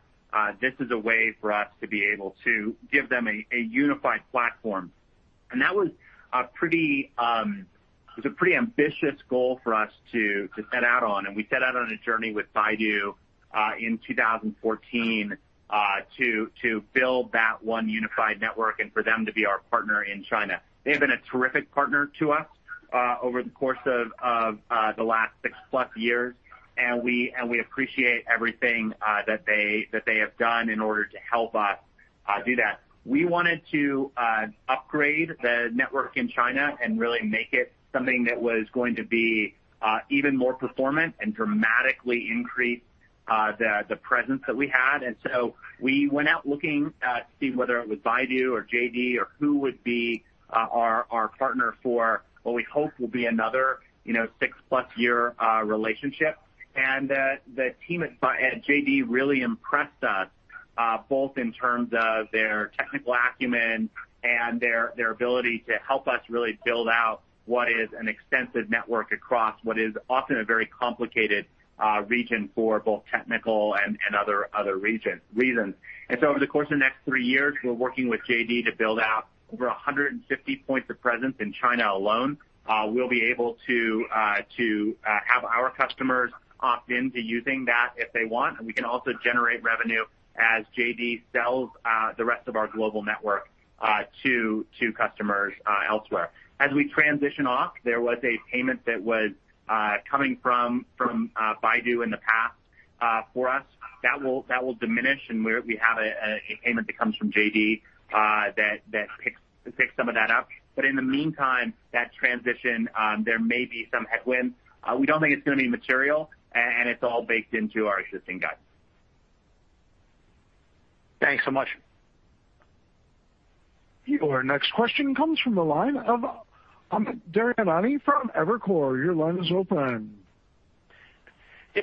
C: this is a way for us to be able to give them a unified platform. That was a pretty, it was a pretty ambitious goal for us to set out on, and we set out on a journey with Baidu in 2014 to build that one unified network and for them to be our partner in China. They have been a terrific partner to us over the course of the last six-plus years, and we appreciate everything that they have done in order to help us do that. We wanted to upgrade the network in China and really make it something that was going to be even more performant and dramatically increase the presence that we had. We went out looking to see whether it was Baidu or JD or who would be our partner for what we hope will be another, you know, six-plus year relationship. The team at JD really impressed us, both in terms of their technical acumen and their ability to help us really build out what is an extensive network across what is often a very complicated region for both technical and other reasons. Over the course of the next three years, we're working with JD to build out over 150 points of presence in China alone. We'll be able to have our customers opt into using that if they want. We can also generate revenue as JD sells the rest of our global network to customers elsewhere. As we transition off, there was a payment that was coming from Baidu in the past for us. That will diminish, and we have a payment that comes from JD that picks some of that up. In the meantime, that transition, there may be some headwinds. We don't think it's gonna be material, and it's all baked into our existing guidance.
I: Thanks so much.
A: Our next question comes from the line of Amit Daryanani from Evercore. Your line is open.
J: Yeah.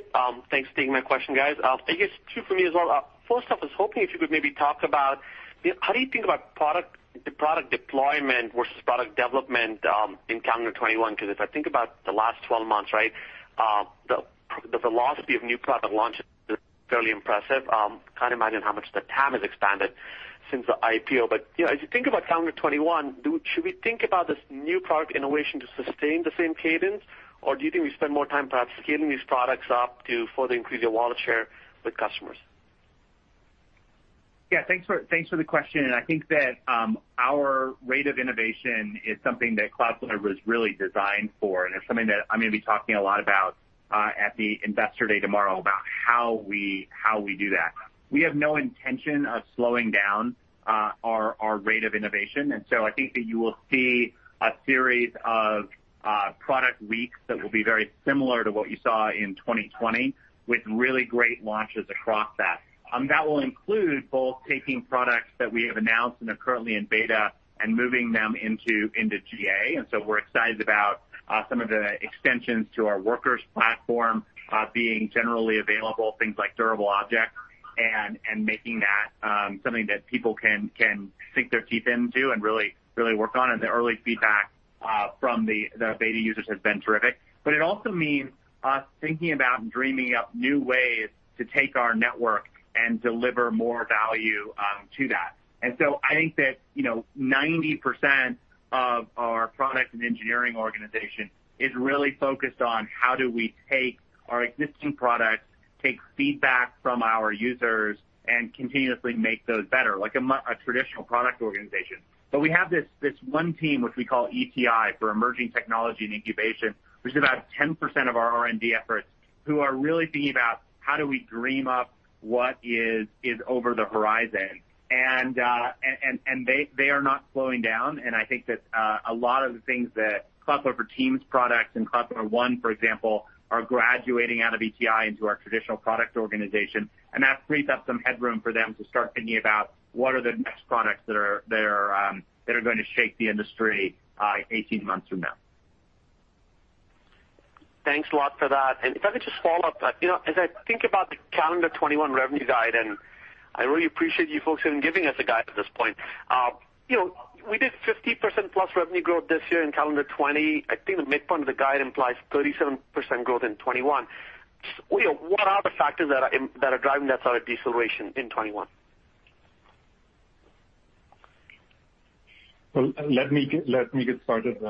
J: Thanks for taking my question, guys. I guess two for me as well. First off, I was hoping if you could maybe talk about, you know, how do you think about product, the product deployment versus product development in calendar 2021? 'Cause if I think about the last 12 months, right, the velocity of new product launches is fairly impressive. Can't imagine how much the TAM has expanded since the IPO. You know, as you think about calendar 2021, do we should we think about this new product innovation to sustain the same cadence, or do you think we spend more time perhaps scaling these products up to further increase your wallet share with customers?
C: Yeah. Thanks for the question. I think that our rate of innovation is something that Cloudflare was really designed for, and it's something that I'm gonna be talking a lot about at the Investor Day tomorrow about how we, how we do that. We have no intention of slowing down our rate of innovation. I think that you will see a series of product weeks that will be very similar to what you saw in 2020, with really great launches across that. That will include both taking products that we have announced and are currently in beta and moving them into GA. We're excited about some of the extensions to our Workers platform being generally available, things like Durable Objects and making that something that people can sink their teeth into and really, really work on. The early feedback from the beta users has been terrific. It also means us thinking about and dreaming up new ways to take our network and deliver more value to that. I think that, you know, 90% of our product and engineering organization is really focused on how do we take our existing products, take feedback from our users, and continuously make those better, like a traditional product organization. We have this one team, which we call ETI, for Emerging Technologies & Incubation, which is about 10% of our R&D efforts, who are really thinking about, how do we dream up what is over the horizon? They are not slowing down. I think that a lot of the things that Cloudflare for Teams products and Cloudflare One, for example, are graduating out of ETI into our traditional product organization. That frees up some headroom for them to start thinking about what are the next products that are going to shake the industry 18 months from now.
J: Thanks a lot for that. If I could just follow up, you know, as I think about the calendar 2021 revenue guide, I really appreciate you folks even giving us a guide at this point. You know, we did 50% plus revenue growth this year in calendar 2020. I think the midpoint of the guide implies 37% growth in 2021. You know, what are the factors that are driving that sort of deceleration in 2021?
D: Well, let me get started,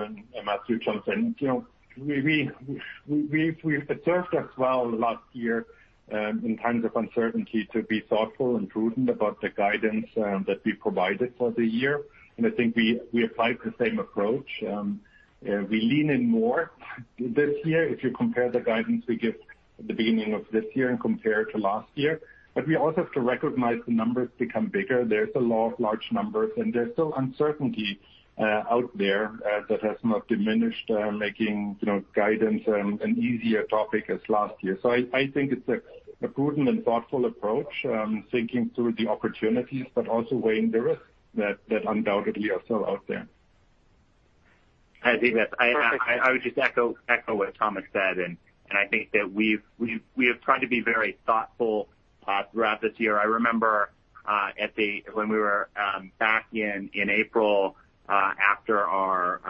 D: Matthew jumps in. You know, we've observed as well last year, in times of uncertainty to be thoughtful and prudent about the guidance that we provided for the year. I think we applied the same approach. We lean in more this year if you compare the guidance we give at the beginning of this year and compare it to last year. We also have to recognize the numbers become bigger. They're still large numbers, there's still uncertainty out there that has not diminished, making, you know, guidance an easier topic as last year. I think it's a prudent and thoughtful approach, thinking through the opportunities but also weighing the risks that undoubtedly are still out there.
C: Hi, Deepak. I would just echo what Thomas said. I think that we've tried to be very thoughtful throughout this year. I remember at the when we were back in April, after our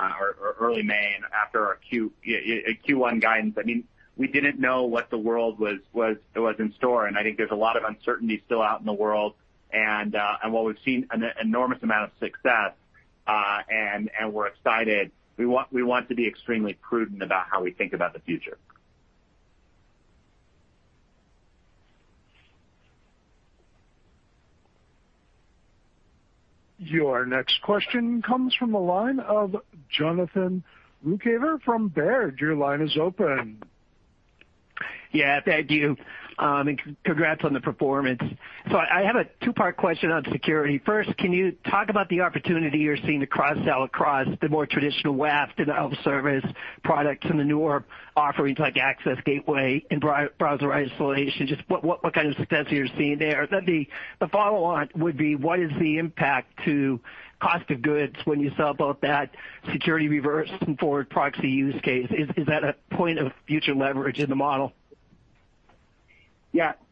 C: early May and after our Q1 guidance. I mean, we didn't know what the world was in store. I think there's a lot of uncertainty still out in the world. While we've seen an enormous amount of success, we're excited, we want to be extremely prudent about how we think about the future.
A: Your next question comes from the line of Jonathan Ruykhaver from Baird. Your line is open.
K: Yeah. Thank you. Congrats on the performance. I have a two-part question on security. First, can you talk about the opportunity you're seeing to cross-sell across the more traditional WAF and the self-service products and the newer offerings like Cloudflare Access and browser isolation? Just what kind of success are you seeing there? The follow-on would be, what is the impact to cost of goods when you sell both that security reverse and forward proxy use case? Is that a point of future leverage in the model?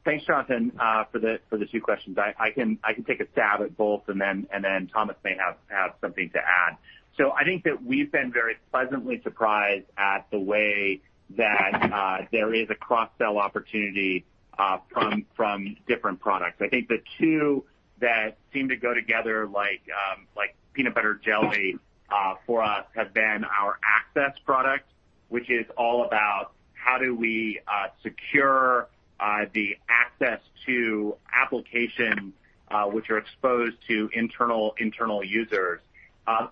C: Thanks, Jonathan, for the two questions. I can take a stab at both, and then Thomas may have something to add. I think that we've been very pleasantly surprised at the way that there is a cross-sell opportunity from different products. I think the two that seem to go together like peanut butter jelly for us have been our Access product, which is all about how do we secure the access to applications which are exposed to internal users,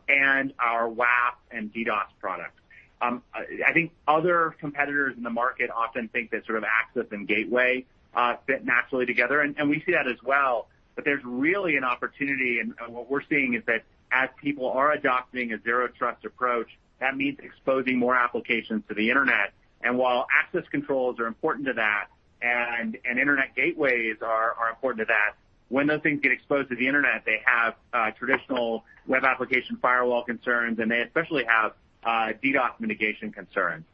C: and our WAF and DDoS products. I think other competitors in the market often think that sort of access and gateway fit naturally together, and we see that as well. There's really an opportunity, what we're seeing is that as people are adopting a Zero Trust approach, that means exposing more applications to the internet. While access controls are important to that and internet gateways are important to that, when those things get exposed to the internet, they have traditional Web Application Firewall concerns, and they especially have DDoS mitigation concerns.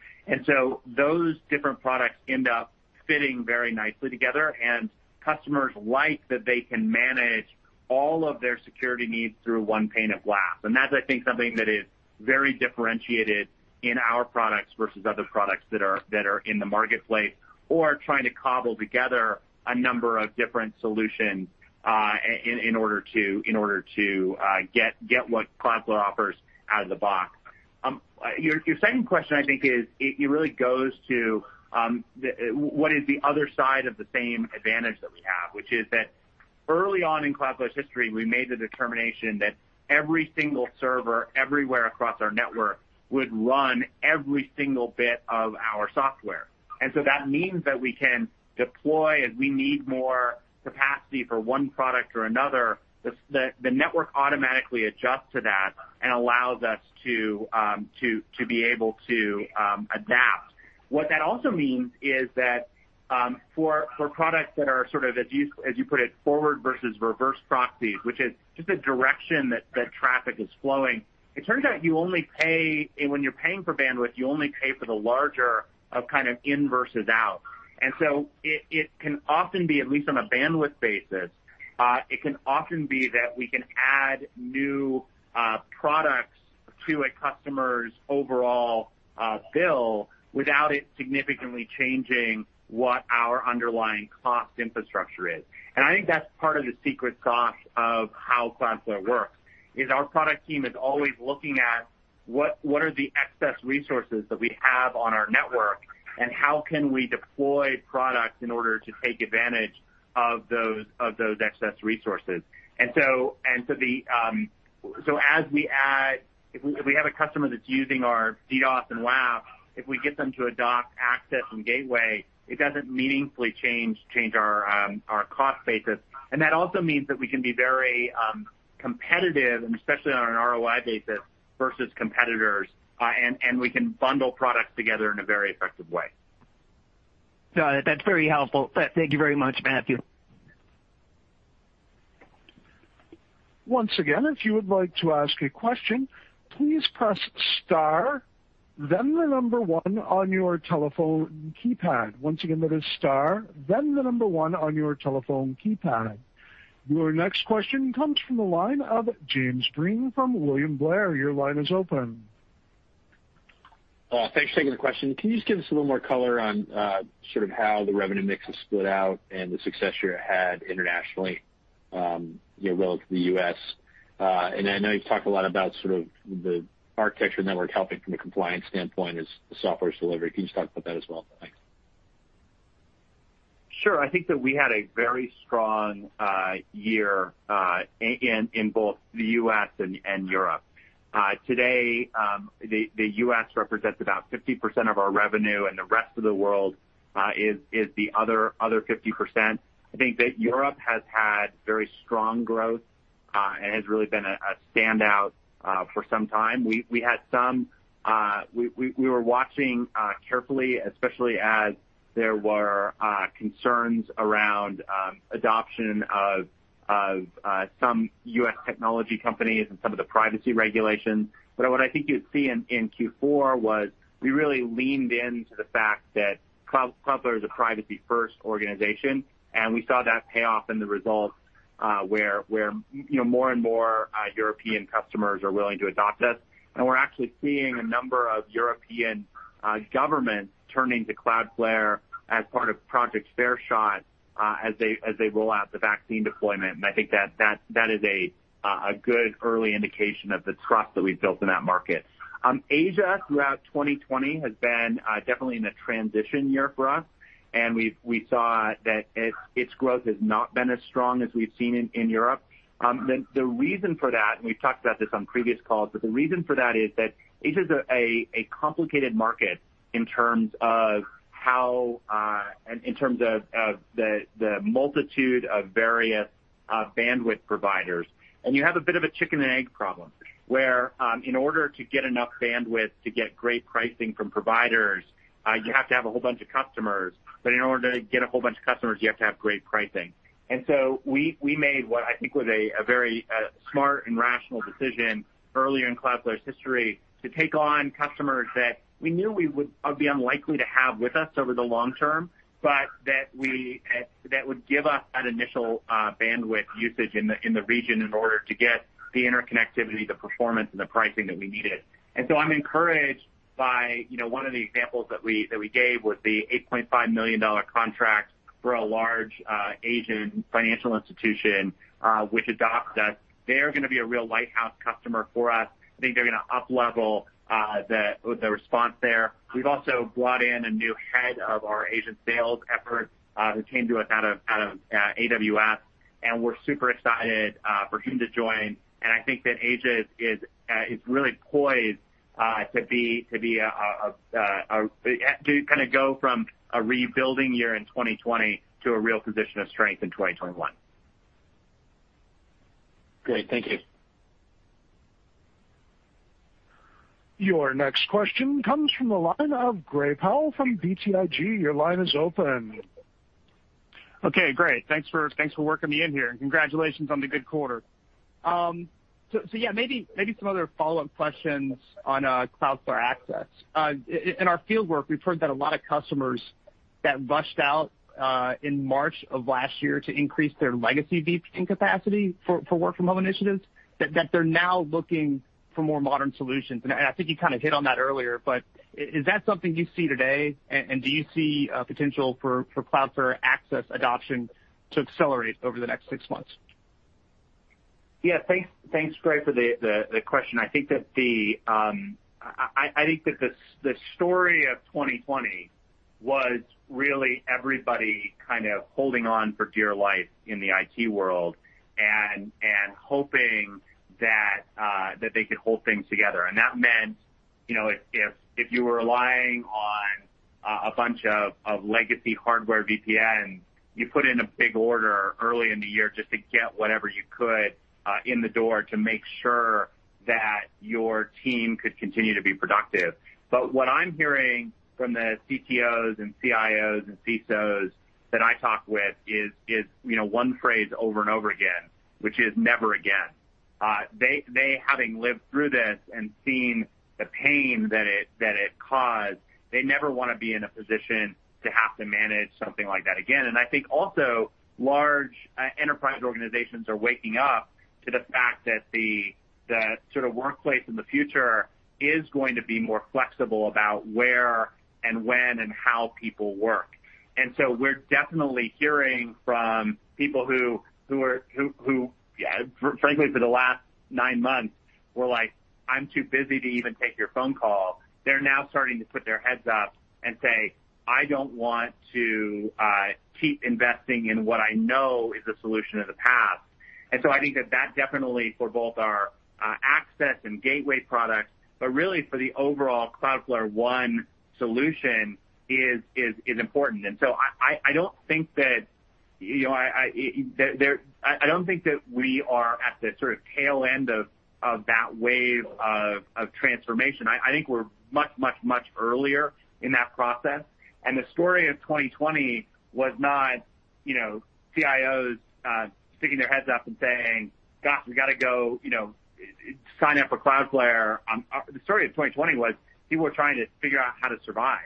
C: Those different products end up fitting very nicely together, and customers like that they can manage all of their security needs through one pane of glass. That's, I think, something that is very differentiated in our products versus other products that are in the marketplace or trying to cobble together a number of different solutions in order to get what Cloudflare offers out of the box. Your second question, I think, it really goes to what is the other side of the same advantage that we have, which is that early on in Cloudflare's history, we made the determination that every single server everywhere across our network would run every single bit of our software. That means that we can deploy as we need more capacity for one product or another. The network automatically adjusts to that and allows us to be able to adapt. What that also means is that, for products that are sort of, as you put it, forward versus reverse proxies, which is just the direction that traffic is flowing, it turns out you only pay when you're paying for bandwidth, you only pay for the larger of kind of in versus out. It can often be, at least on a bandwidth basis, it can often be that we can add new products to a customer's overall bill without it significantly changing what our underlying cost infrastructure is. I think that's part of the secret sauce of how Cloudflare works, is our product team is always looking at what are the excess resources that we have on our network, and how can we deploy products in order to take advantage of those excess resources. As we add if we have a customer that's using our DDoS and WAF, if we get them to adopt Access and Gateway, it doesn't meaningfully change our cost basis. That also means that we can be very competitive, and especially on an ROI basis, versus competitors, and we can bundle products together in a very effective way.
K: Got it. That's very helpful. Thank you very much, Matthew.
A: Once again, if you would like to ask a question, please press star, then the number one on your telephone keypad. Once again, press star, then the number one on your telephone keypad. Your next question comes from the line of James Breen from William Blair. Your line is open.
L: Thanks for taking the question. Can you just give us a little more color on, sort of how the revenue mix is split out and the success you had internationally, you know, relative to the U.S.? And I know you've talked a lot about sort of the architecture network helping from a compliance standpoint as the software's delivered. Can you just talk about that as well? Thanks.
C: Sure. I think that we had a very strong year in both the U.S. and Europe. Today, the U.S. represents about 50% of our revenue, and the rest of the world is the other 50%. I think that Europe has had very strong growth and has really been a standout for some time. We had some. We were watching carefully, especially as there were concerns around adoption of some U.S. technology companies and some of the privacy regulations. What I think you'd see in Q4 was we really leaned into the fact that Cloudflare is a privacy first organization, and we saw that pay off in the results, you know, more and more European customers are willing to adopt us. We're actually seeing a number of European governments turning to Cloudflare as part of Project Fair Shot as they roll out the vaccine deployment. I think that is a good early indication of the trust that we've built in that market. Asia, throughout 2020, has been definitely in a transition year for us, and we saw that its growth has not been as strong as we've seen in Europe. The reason for that, and we've talked about this on previous calls, but the reason for that is that Asia's a complicated market in terms of how and in terms of the multitude of various bandwidth providers. You have a bit of a chicken and egg problem, where in order to get enough bandwidth to get great pricing from providers, you have to have a whole bunch of customers, but in order to get a whole bunch of customers, you have to have great pricing. We made what I think was a very smart and rational decision early in Cloudflare's history to take on customers that we knew we would be unlikely to have with us over the long term, but that would give us that initial bandwidth usage in the region in order to get the interconnectivity, the performance, and the pricing that we needed. I'm encouraged by, you know, one of the examples that we gave was the $8.5 million contract for a large Asian financial institution which adopted us. They are gonna be a real lighthouse customer for us. I think they're gonna up-level the response there. We've also brought in a new head of our Asian sales effort, who came to us out of AWS, and we're super excited for him to join. I think that Asia is really poised to kind of go from a rebuilding year in 2020 to a real position of strength in 2021.
L: Great. Thank you.
A: Your next question comes from the line of Gray Powell from BTIG. Your line is open.
M: Okay, great. Thanks for working me in here, and congratulations on the good quarter. Yeah, maybe some other follow-up questions on Cloudflare Access. In our fieldwork, we've heard that a lot of customers that rushed out in March of last year to increase their legacy VPN capacity for work-from-home initiatives, that they're now looking for more modern solutions. I think you kind of hit on that earlier. Is that something you see today, and do you see potential for Cloudflare Access adoption to accelerate over the next six months?
C: Yeah. Thanks, Gray, for the question. I think that the I think that the story of 2020 was really everybody kind of holding on for dear life in the IT world and hoping that they could hold things together. That meant, you know, if you were relying on a bunch of legacy hardware VPN, you put in a big order early in the year just to get whatever you could in the door to make sure that your team could continue to be productive. What I'm hearing from the CTOs and CIOs and CSOs that I talk with is, you know, one phrase over and over again, which is never again. They having lived through this and seen the pain that it caused, they never wanna be in a position to have to manage something like that again. I think also large enterprise organizations are waking up to the fact that the sort of workplace in the future is going to be more flexible about where and when and how people work. We're definitely hearing from people who are, frankly, for the last nine months were like, "I'm too busy to even take your phone call." They're now starting to put their heads up and say, "I don't want to keep investing in what I know is a solution of the past." I think that definitely for both our Access and Gateway products, but really for the overall Cloudflare One solution is important. I don't think that, you know, I don't think that we are at the sort of tail end of that wave of transformation. I think we're much earlier in that process. The story of 2020 was not-You know, CIOs sticking their heads up and saying, "Gosh, we gotta go, you know, sign up for Cloudflare." The story of 2020 was people were trying to figure out how to survive.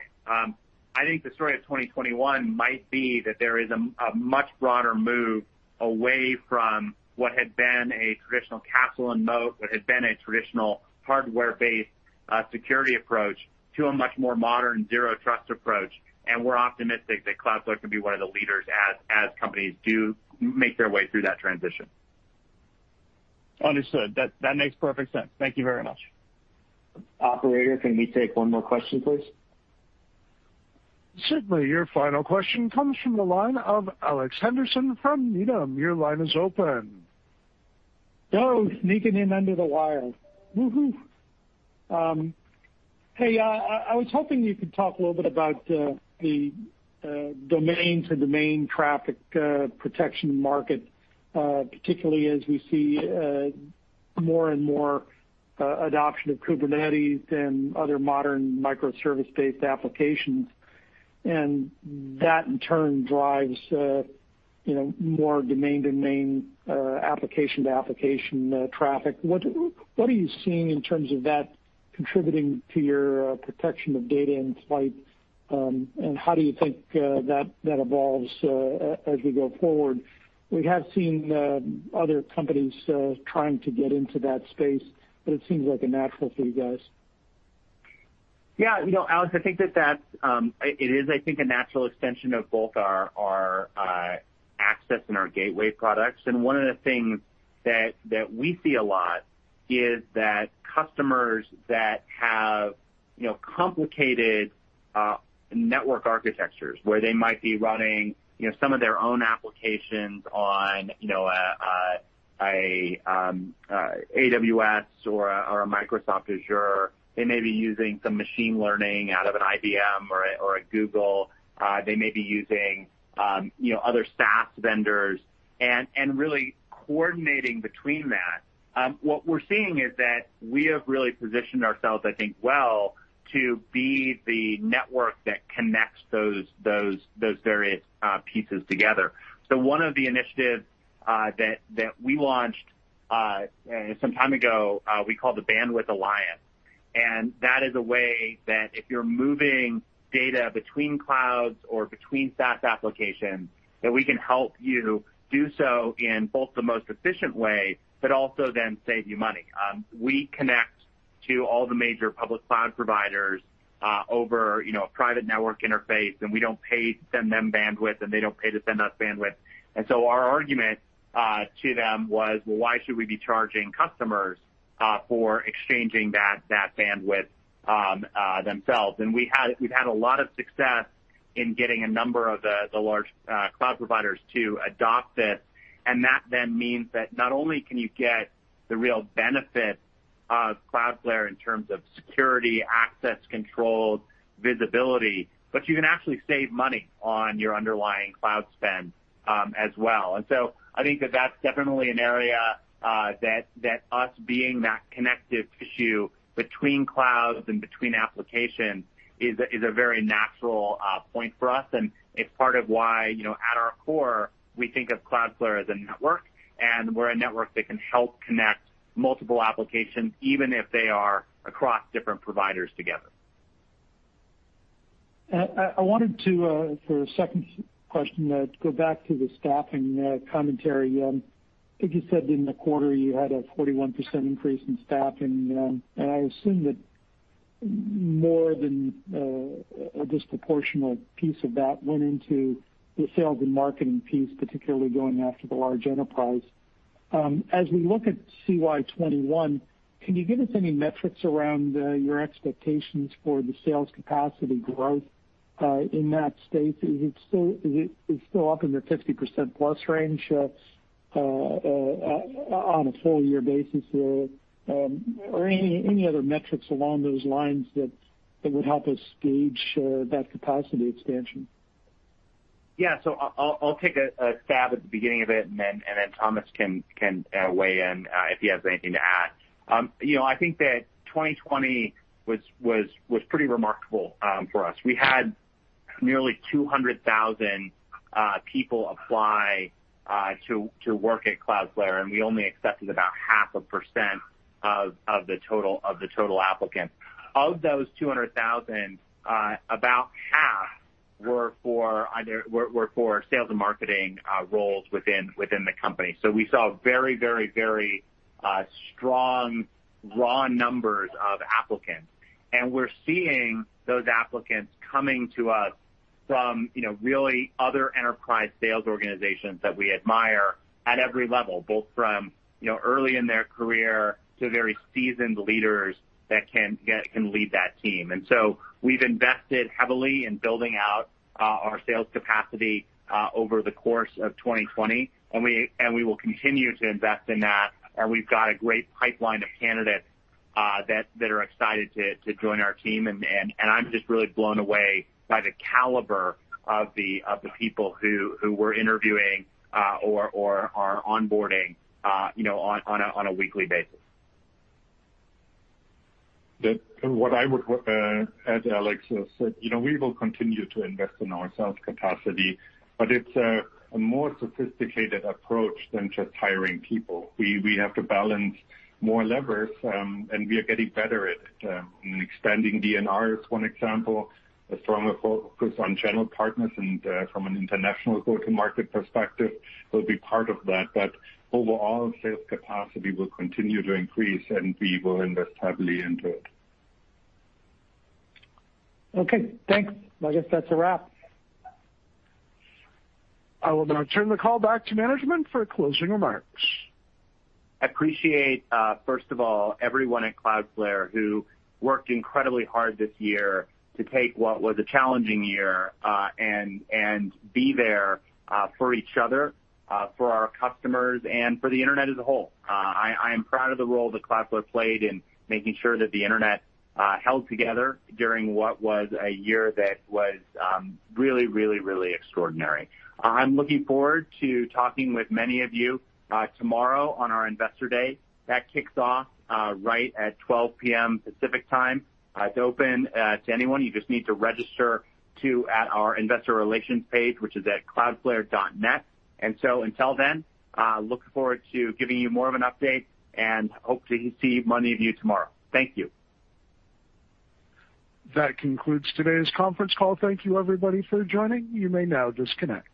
C: I think the story of 2021 might be that there is a much broader move away from what had been a traditional castle and moat, what had been a traditional hardware-based security approach to a much more modern Zero Trust approach, and we're optimistic that Cloudflare can be one of the leaders as companies make their way through that transition.
M: Understood. That makes perfect sense. Thank you very much.
C: Operator, can we take one more question, please?
A: Certainly. Your final question comes from the line of Alex Henderson from Needham. Your line is open.
N: Oh, sneaking in under the wire. Woo-hoo. Hey, I was hoping you could talk a little bit about the domain to domain traffic protection market, particularly as we see more and more adoption of Kubernetes and other modern microservice-based applications, and that in turn drives, you know, more domain-to-domain, application-to-application, traffic. What are you seeing in terms of that contributing to your protection of data in flight, and how do you think that evolves as we go forward? We have seen other companies trying to get into that space, but it seems like a natural for you guys.
C: Yeah. You know, Alex, I think that that's, it is, I think, a natural extension of both our access and our gateway products. One of the things that we see a lot is that customers that have, you know, complicated network architectures where they might be running, you know, some of their own applications on, you know, a AWS or a Microsoft Azure, they may be using some machine learning out of an IBM or a Google. They may be using, you know, other SaaS vendors and really coordinating between that. What we're seeing is that we have really positioned ourselves, I think, well to be the network that connects those various pieces together. One of the initiatives that we launched some time ago, we call the Bandwidth Alliance, that is a way that if you're moving data between clouds or between SaaS applications, that we can help you do so in both the most efficient way, but also then save you money. We connect to all the major public cloud providers over a private network interface, we don't pay to send them bandwidth, they don't pay to send us bandwidth. Our argument to them was, "Well, why should we be charging customers for exchanging that bandwidth themselves?" We've had a lot of success in getting a number of the large cloud providers to adopt it, and that then means that not only can you get the real benefit of Cloudflare in terms of security, access control, visibility, but you can actually save money on your underlying cloud spend as well. I think that that's definitely an area that us being that connective tissue between clouds and between applications is a very natural point for us, and it's part of why, you know, at our core, we think of Cloudflare as a network, and we're a network that can help connect multiple applications, even if they are across different providers together.
N: I wanted to, for a second question, go back to the staffing commentary. I think you said in the quarter you had a 41% increase in staffing, and I assume that more than a disproportional piece of that went into the sales and marketing piece, particularly going after the large enterprise. As we look at CY 2021, can you give us any metrics around your expectations for the sales capacity growth in that space? Is it still up in the 50% plus range on a full year basis, or any other metrics along those lines that would help us gauge that capacity expansion?
C: Yeah. I'll take a stab at the beginning of it and then Thomas can weigh in if he has anything to add. You know, I think that 2020 was pretty remarkable for us. We had nearly 200,000 people apply to work at Cloudflare, and we only accepted about 0.5% of the total applicants. Of those 200,000, about half were for either sales and marketing roles within the company. We saw very, very, very strong raw numbers of applicants. We're seeing those applicants coming to us from, you know, really other enterprise sales organizations that we admire at every level, both from, you know, early in their career to very seasoned leaders that can lead that team. We've invested heavily in building out our sales capacity over the course of 2020, and we will continue to invest in that, and we've got a great pipeline of candidates that are excited to join our team. I'm just really blown away by the caliber of the people who we're interviewing or are onboarding, you know, on a weekly basis.
D: What I would, as Alex has said, you know, we will continue to invest in our sales capacity, but it's a more sophisticated approach than just hiring people. We have to balance more levers, and we are getting better at expanding DBNR is one example. A stronger focus on channel partners and from an international go-to-market perspective will be part of that. Overall, sales capacity will continue to increase, and we will invest heavily into it.
N: Okay, thanks. I guess that's a wrap.
A: I will now turn the call back to management for closing remarks.
C: Appreciate, first of all, everyone at Cloudflare who worked incredibly hard this year to take what was a challenging year, and be there for each other, for our customers, and for the Internet as a whole. I am proud of the role that Cloudflare played in making sure that the Internet held together during what was a year that was really, really, really extraordinary. I'm looking forward to talking with many of you tomorrow on our Investor Day. That kicks off right at 12:00 P.M. Pacific Time. It's open to anyone. You just need to register to at our investor relations page, which is at cloudflare.net. Until then, looking forward to giving you more of an update and hope to see many of you tomorrow. Thank you.
A: That concludes today's conference call. Thank you everybody for joining. You may now disconnect.